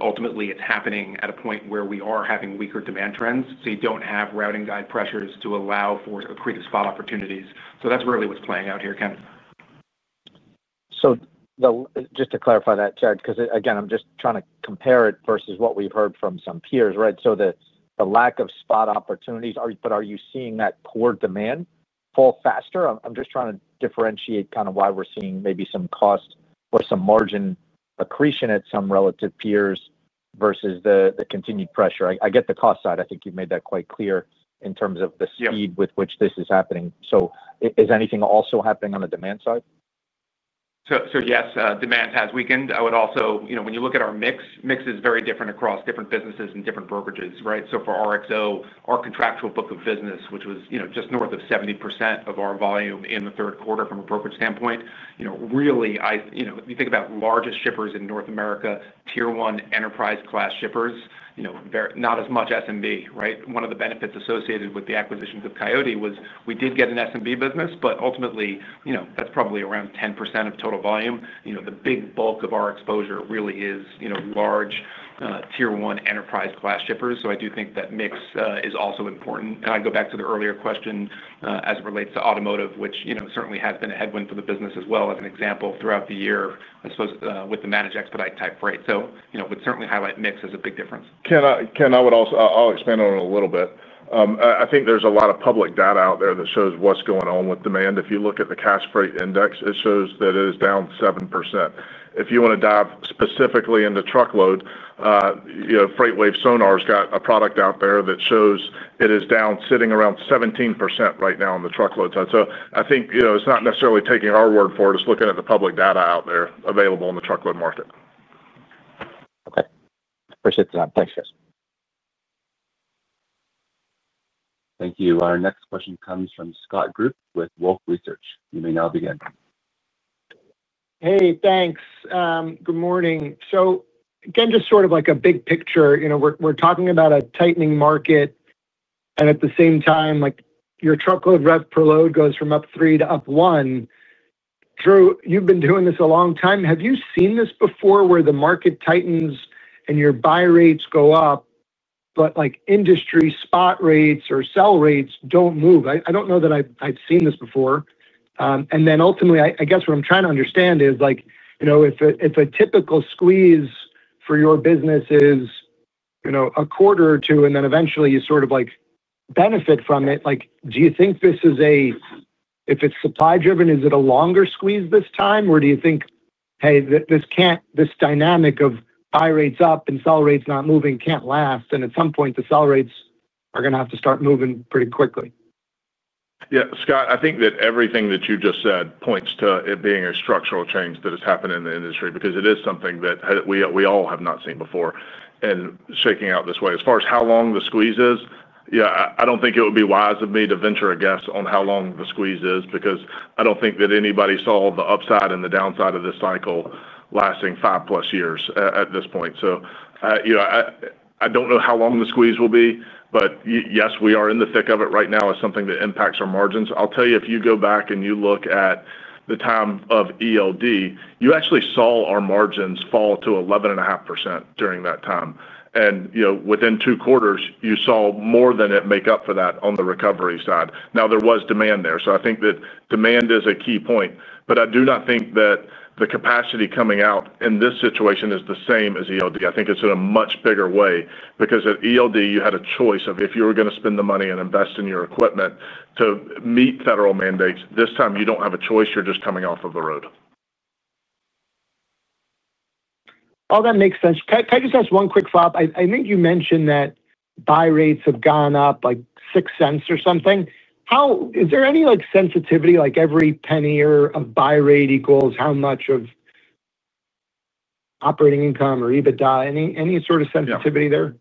Ultimately, it is happening at a point where we are having weaker demand trends. You do not have routing guide pressures to allow for accretive spot opportunities. That is really what is playing out here, Ken. Just to clarify that, Jared, because again, I am just trying to compare it versus what we have heard from some peers, right? The lack of spot opportunities, but are you seeing that core demand fall faster? I'm just trying to differentiate kind of why we're seeing maybe some cost or some margin accretion at some relative peers versus the continued pressure. I get the cost side. I think you've made that quite clear in terms of the speed with which this is happening. Is anything also happening on the demand side? Yes, demand has weakened. I would also, when you look at our mix, mix is very different across different businesses and different brokerages, right? For RXO, our contractual book of business, which was just north of 70% of our volume in the third quarter from a brokerage standpoint, really, if you think about largest shippers in North America, tier one enterprise-class shippers. Not as much SMB, right? One of the benefits associated with the acquisition of Coyote was we did get an SMB business, but ultimately, that's probably around 10% of total volume. The big bulk of our exposure really is large. Tier one enterprise-class shippers. I do think that mix is also important. I go back to the earlier question as it relates to automotive, which certainly has been a headwind for the business as well, as an example throughout the year, I suppose, with the managed expedite type rate. I would certainly highlight mix as a big difference. Ken, I would also, I'll expand on it a little bit. I think there's a lot of public data out there that shows what's going on with demand. If you look at the cash rate index, it shows that it is down 7%. If you want to dive specifically into truckload, FreightWave Sonar's got a product out there that shows it is down, sitting around 17% right now on the truckload side. I think it's not necessarily taking our word for it. It's looking at the public data out there available in the truckload market. Okay. Appreciate the time. Thanks, Chris. Thank you. Our next question comes from Scott Group with Wolfe Research. You may now begin. Hey, thanks. Good morning. Just sort of like a big picture, we're talking about a tightening market. At the same time, your truckload rev per load goes from up three to up one. Drew, you've been doing this a long time. Have you seen this before where the market tightens and your buy rates go up, but industry spot rates or sell rates don't move? I don't know that I've seen this before. Ultimately, I guess what I'm trying to understand is if a typical squeeze for your business is. A quarter or two, and then eventually you sort of benefit from it. Do you think this is a, if it's supply-driven, is it a longer squeeze this time, or do you think, hey, this dynamic of buy rates up and sell rates not moving can't last, and at some point, the sell rates are going to have to start moving pretty quickly? Yeah, Scott, I think that everything that you just said points to it being a structural change that has happened in the industry because it is something that we all have not seen before and shaking out this way. As far as how long the squeeze is, yeah, I do not think it would be wise of me to venture a guess on how long the squeeze is because I do not think that anybody saw the upside and the downside of this cycle lasting five-plus years at this point. I do not know how long the squeeze will be, but yes, we are in the thick of it right now as something that impacts our margins. I'll tell you, if you go back and you look at the time of ELD, you actually saw our margins fall to 11.5% during that time. Within two quarters, you saw more than it make up for that on the recovery side. Now, there was demand there. I think that demand is a key point. I do not think that the capacity coming out in this situation is the same as ELD. I think it is in a much bigger way because at ELD, you had a choice of if you were going to spend the money and invest in your equipment to meet federal mandates. This time, you do not have a choice. You are just coming off of the road. All that makes sense. Can I just ask one quick follow-up? I think you mentioned that buy rates have gone up like $0.06 or something. Is there any sensitivity, like every penny of buy rate equals how much of operating income or EBITDA? Any sort of sensitivity there?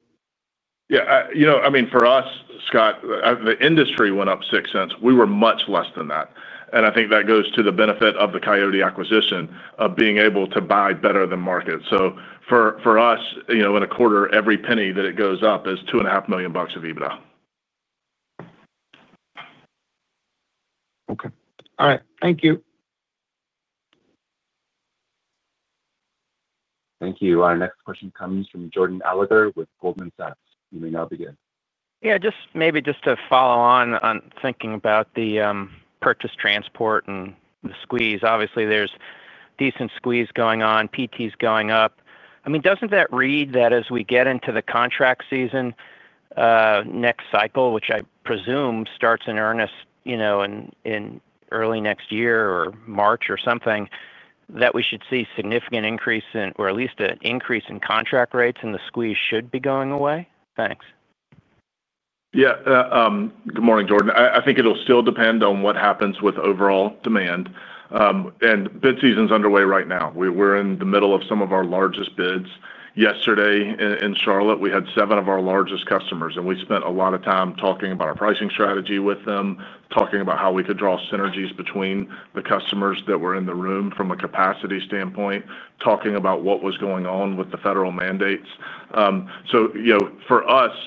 Yeah. I mean, for us, Scott, the industry went up $0.06. We were much less than that. I think that goes to the benefit of the Coyote acquisition of being able to buy better than market. For us, in a quarter, every penny that it goes up is $2.5 million of EBITDA. Okay. All right. Thank you. Thank you. Our next question comes from Jordan Alliger with Goldman Sachs. You may now begin. Yeah, just maybe just to follow on on thinking about the purchase transport and the squeeze. Obviously, there's decent squeeze going on. PT's going up. I mean, doesn't that read that as we get into the contract season, next cycle, which I presume starts in earnest in early next year or March or something, that we should see a significant increase in, or at least an increase in contract rates and the squeeze should be going away? Thanks. Yeah. Good morning, Jordan. I think it'll still depend on what happens with overall demand. Bid season's underway right now. We're in the middle of some of our largest bids. Yesterday, in Charlotte, we had seven of our largest customers, and we spent a lot of time talking about our pricing strategy with them, talking about how we could draw synergies between the customers that were in the room from a capacity standpoint, talking about what was going on with the federal mandates. For us,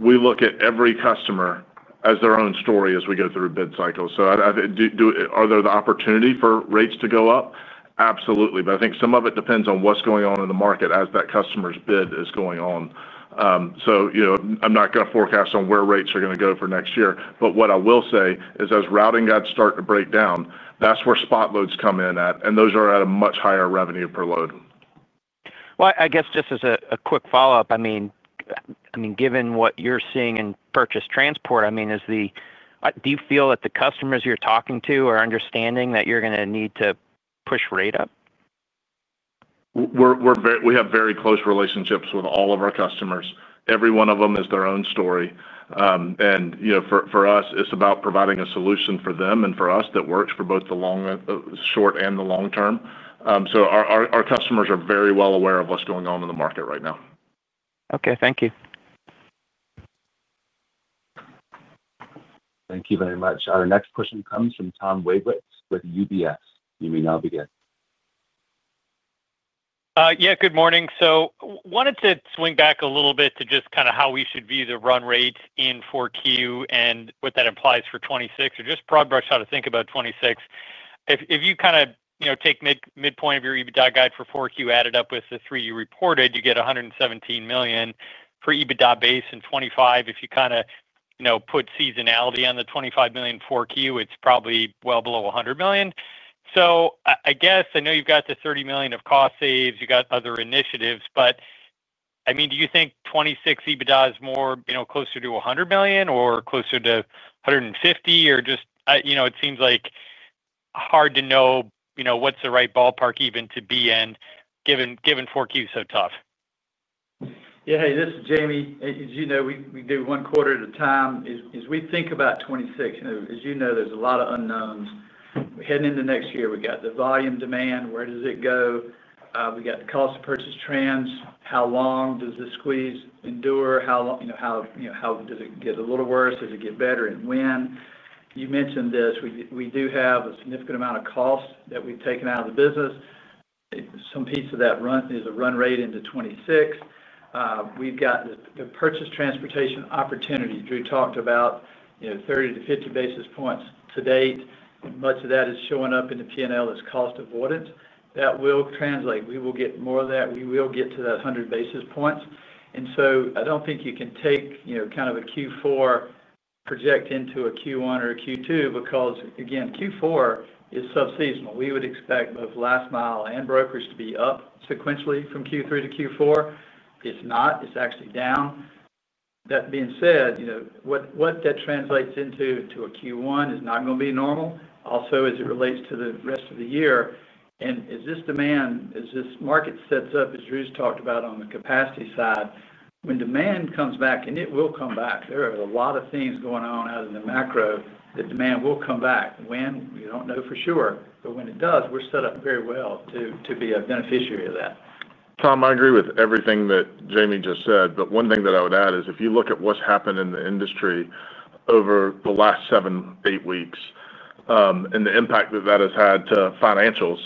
we look at every customer as their own story as we go through a bid cycle. Are there the opportunity for rates to go up? Absolutely. I think some of it depends on what's going on in the market as that customer's bid is going on. I'm not going to forecast on where rates are going to go for next year. What I will say is as routing guides start to break down, that's where spot loads come in at, and those are at a much higher revenue per load. I guess just as a quick follow-up, I mean, given what you're seeing in purchase transport, I mean, do you feel that the customers you're talking to are understanding that you're going to need to push rate up? We have very close relationships with all of our customers. Every one of them is their own story. For us, it's about providing a solution for them and for us that works for both the short and the long term. Our customers are very well aware of what's going on in the market right now. Okay. Thank you. Thank you very much. Our next question comes from Tom Wadewitz with UBS. You may now begin. Yeah, good morning. I wanted to swing back a little bit to just kind of how we should view the run rate in Q4 and what that implies for 2026 or just broad brush how to think about 2026. If you kind of take midpoint of your EBITDA guide for Q4, add it up with the three you reported, you get $117 million for EBITDA base in 2025. If you kind of put seasonality on the $25 million Q4, it's probably well below $100 million. I guess I know you've got the $30 million of cost saves, you've got other initiatives, but I mean, do you think 2026 EBITDA is more closer to $100 million or closer to $150 million or just it seems like hard to know what's the right ballpark even to be in given Q4 is so tough. Yeah, hey, this is Jamie. As you know, we do one quarter at a time. As we think about 2026, as you know, there is a lot of unknowns. We are heading into next year. We have got the volume demand. Where does it go? We have got the cost of purchase trends. How long does the squeeze endure? How. Does it get a little worse? Does it get better? And when? You mentioned this. We do have a significant amount of cost that we have taken out of the business. Some piece of that is a run rate into 2026. We have got the purchase transportation opportunity. Drew talked about. 30-50 basis points to date. Much of that is showing up in the P&L as cost avoidance. That will translate. We will get more of that. We will get to the 100 basis points. I do not think you can take kind of a Q4, project into a Q1 or a Q2 because, again, Q4 is sub-seasonal. We would expect both last mile and brokers to be up sequentially from Q3 to Q4. It is not. It is actually down. That being said, what that translates into a Q1 is not going to be normal. Also, as it relates to the rest of the year, and is this demand, as this market sets up, as Drew has talked about on the capacity side, when demand comes back, and it will come back, there are a lot of things going on out in the macro that demand will come back. When? We do not know for sure. When it does, we are set up very well to be a beneficiary of that. Tom, I agree with everything that Jamie just said, but one thing that I would add is if you look at what's happened in the industry over the last seven, eight weeks, and the impact that that has had to financials,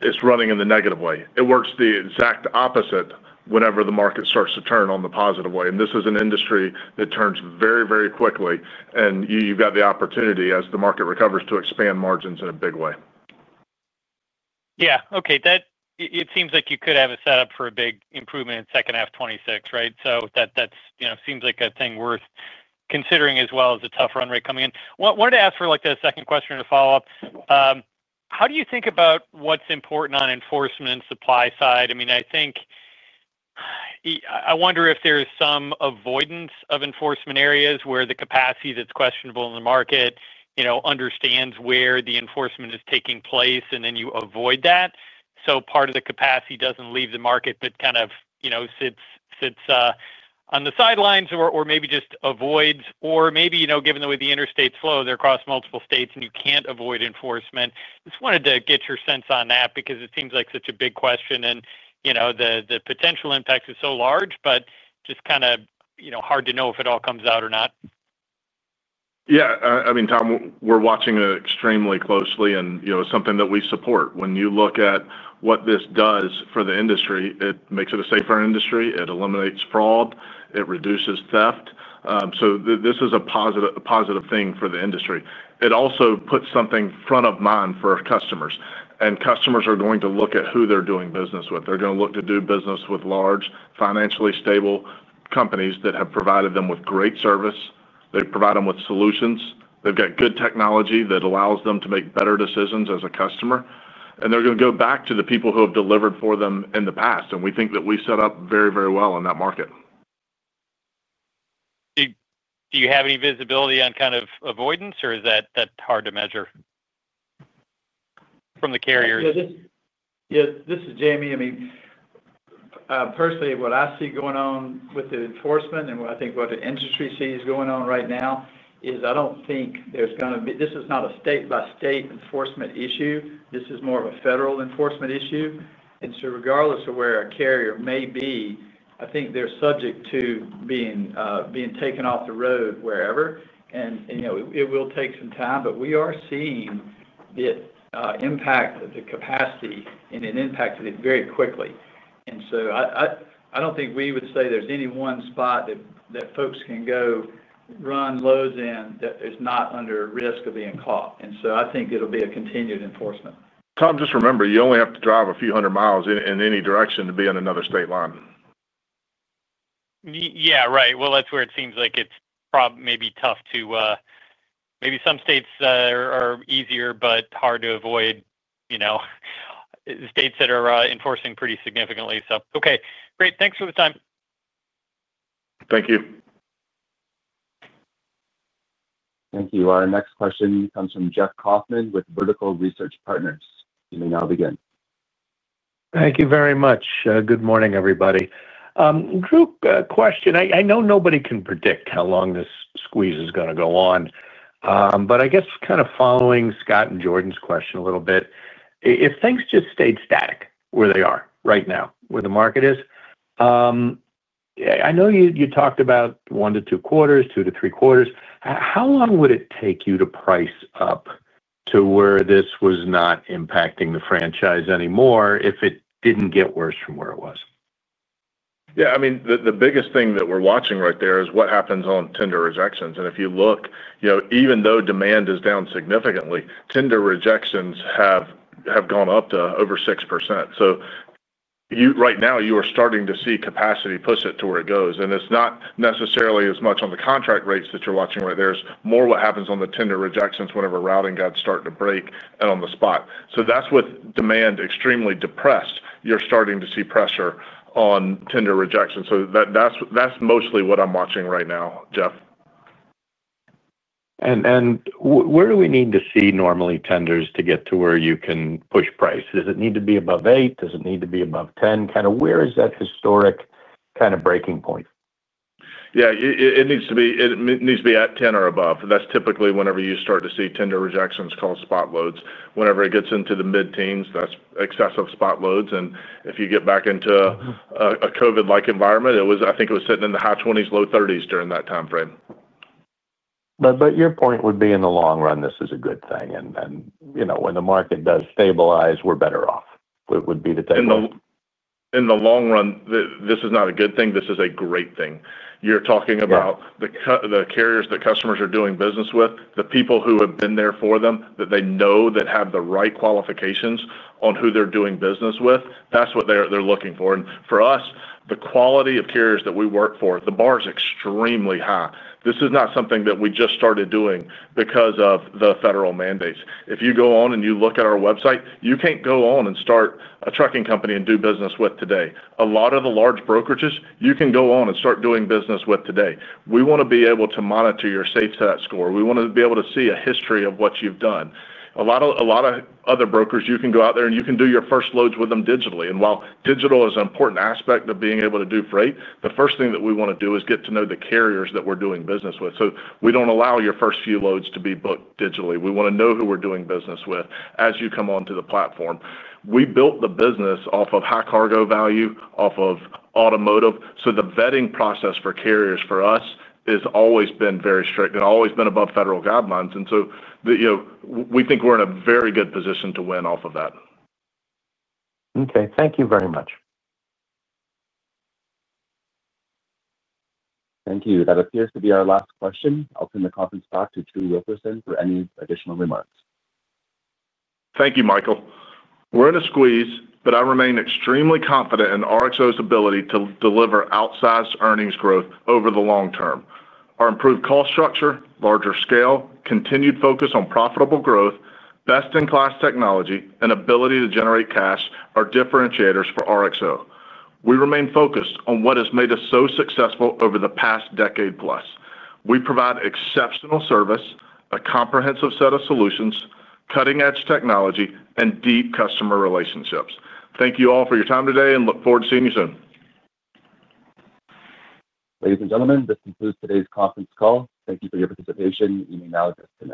it's running in the negative way. It works the exact opposite whenever the market starts to turn on the positive way. This is an industry that turns very, very quickly. You have the opportunity, as the market recovers, to expand margins in a big way. Yeah. Okay. It seems like you could have a setup for a big improvement in second half 2026, right? That seems like a thing worth considering as well as a tough run rate coming in. I wanted to ask for a second question to follow up. How do you think about what's important on enforcement supply side? I mean, I think. I wonder if there's some avoidance of enforcement areas where the capacity that's questionable in the market understands where the enforcement is taking place, and then you avoid that. Part of the capacity does not leave the market, but kind of sits on the sidelines or maybe just avoids, or maybe given the way the interstates flow, they are across multiple states and you cannot avoid enforcement. I just wanted to get your sense on that because it seems like such a big question. The potential impact is so large, but just kind of hard to know if it all comes out or not. Yeah. I mean, Tom, we're watching it extremely closely and it's something that we support. When you look at what this does for the industry, it makes it a safer industry. It eliminates fraud. It reduces theft. This is a positive thing for the industry. It also puts something front of mind for our customers. Customers are going to look at who they're doing business with. They're going to look to do business with large, financially stable companies that have provided them with great service. They provide them with solutions. They've got good technology that allows them to make better decisions as a customer. They're going to go back to the people who have delivered for them in the past. We think that we set up very, very well in that market. Do you have any visibility on kind of avoidance, or is that hard to measure? From the carriers? Yeah. This is Jamie. I mean, personally, what I see going on with the enforcement and what I think what the industry sees going on right now is I don't think there's going to be, this is not a state-by-state enforcement issue. This is more of a federal enforcement issue. Regardless of where a carrier may be, I think they're subject to being taken off the road wherever. It will take some time, but we are seeing the impact of the capacity and it impacted it very quickly. I don't think we would say there's any one spot that folks can go run loads in that is not under risk of being caught. I think it'll be a continued enforcement. Tom, just remember, you only have to drive a few hundred miles in any direction to be on another state line. Yeah, right. That's where it seems like it's maybe tough to. Maybe some states are easier, but hard to avoid states that are enforcing pretty significantly. Okay. Great. Thanks for the time. Thank you. Thank you. Our next question comes from Jeff Kauffman with Vertical Research Partners. You may now begin. Thank you very much. Good morning, everybody. Drew, question. I know nobody can predict how long this squeeze is going to go on. I guess kind of following Scott and Jordan's question a little bit, if things just stayed static where they are right now, where the market is. I know you talked about one to two quarters, two to three quarters. How long would it take you to price up to where this was not impacting the franchise anymore if it did not get worse from where it was? Yeah. I mean, the biggest thing that we're watching right there is what happens on tender rejections. And if you look, even though demand is down significantly, tender rejections have gone up to over 6%. Right now, you are starting to see capacity push it to where it goes. It's not necessarily as much on the contract rates that you're watching right there. It's more what happens on the tender rejections whenever routing guides start to break. On the spot, with demand extremely depressed, you're starting to see pressure on tender rejections. That's mostly what I'm watching right now, Jeff. Where do we need to see normally tenders to get to where you can push price? Does it need to be above 8? Does it need to be above 10? Kind of where is that historic kind of breaking point? Yeah. It needs to be at 10 or above. That's typically whenever you start to see tender rejections called spot loads. Whenever it gets into the mid-teens, that's excessive spot loads. If you get back into a COVID-like environment, I think it was sitting in the high 20s, low 30s during that time frame. Your point would be in the long run, this is a good thing. When the market does stabilize, we're better off. It would be the takeaway. In the long run, this is not a good thing. This is a great thing. You're talking about the carriers that customers are doing business with, the people who have been there for them, that they know that have the right qualifications on who they're doing business with. That's what they're looking for. For us, the quality of carriers that we work for, the bar is extremely high. This is not something that we just started doing because of the federal mandates. If you go on and you look at our website, you can't go on and start a trucking company and do business with today. A lot of the large brokerages, you can go on and start doing business with today. We want to be able to monitor your safe set score. We want to be able to see a history of what you've done. A lot of other brokers, you can go out there and you can do your first loads with them digitally. While digital is an important aspect of being able to do freight, the first thing that we want to do is get to know the carriers that we're doing business with. We do not allow your first few loads to be booked digitally. We want to know who we're doing business with as you come onto the platform. We built the business off of high cargo value, off of automotive. The vetting process for carriers for us has always been very strict and always been above federal guidelines. We think we're in a very good position to win off of that. Okay. Thank you very much. Thank you. That appears to be our last question. I'll turn the conference back to Drew Wilkerson for any additional remarks. Thank you, Michael. We're in a squeeze, but I remain extremely confident in RXO's ability to deliver outsized earnings growth over the long term. Our improved cost structure, larger scale, continued focus on profitable growth, best-in-class technology, and ability to generate cash are differentiators for RXO. We remain focused on what has made us so successful over the past decade plus. We provide exceptional service, a comprehensive set of solutions, cutting-edge technology, and deep customer relationships. Thank you all for your time today and look forward to seeing you soon. Ladies and gentlemen, this concludes today's conference call. Thank you for your participation. You may now disconnect.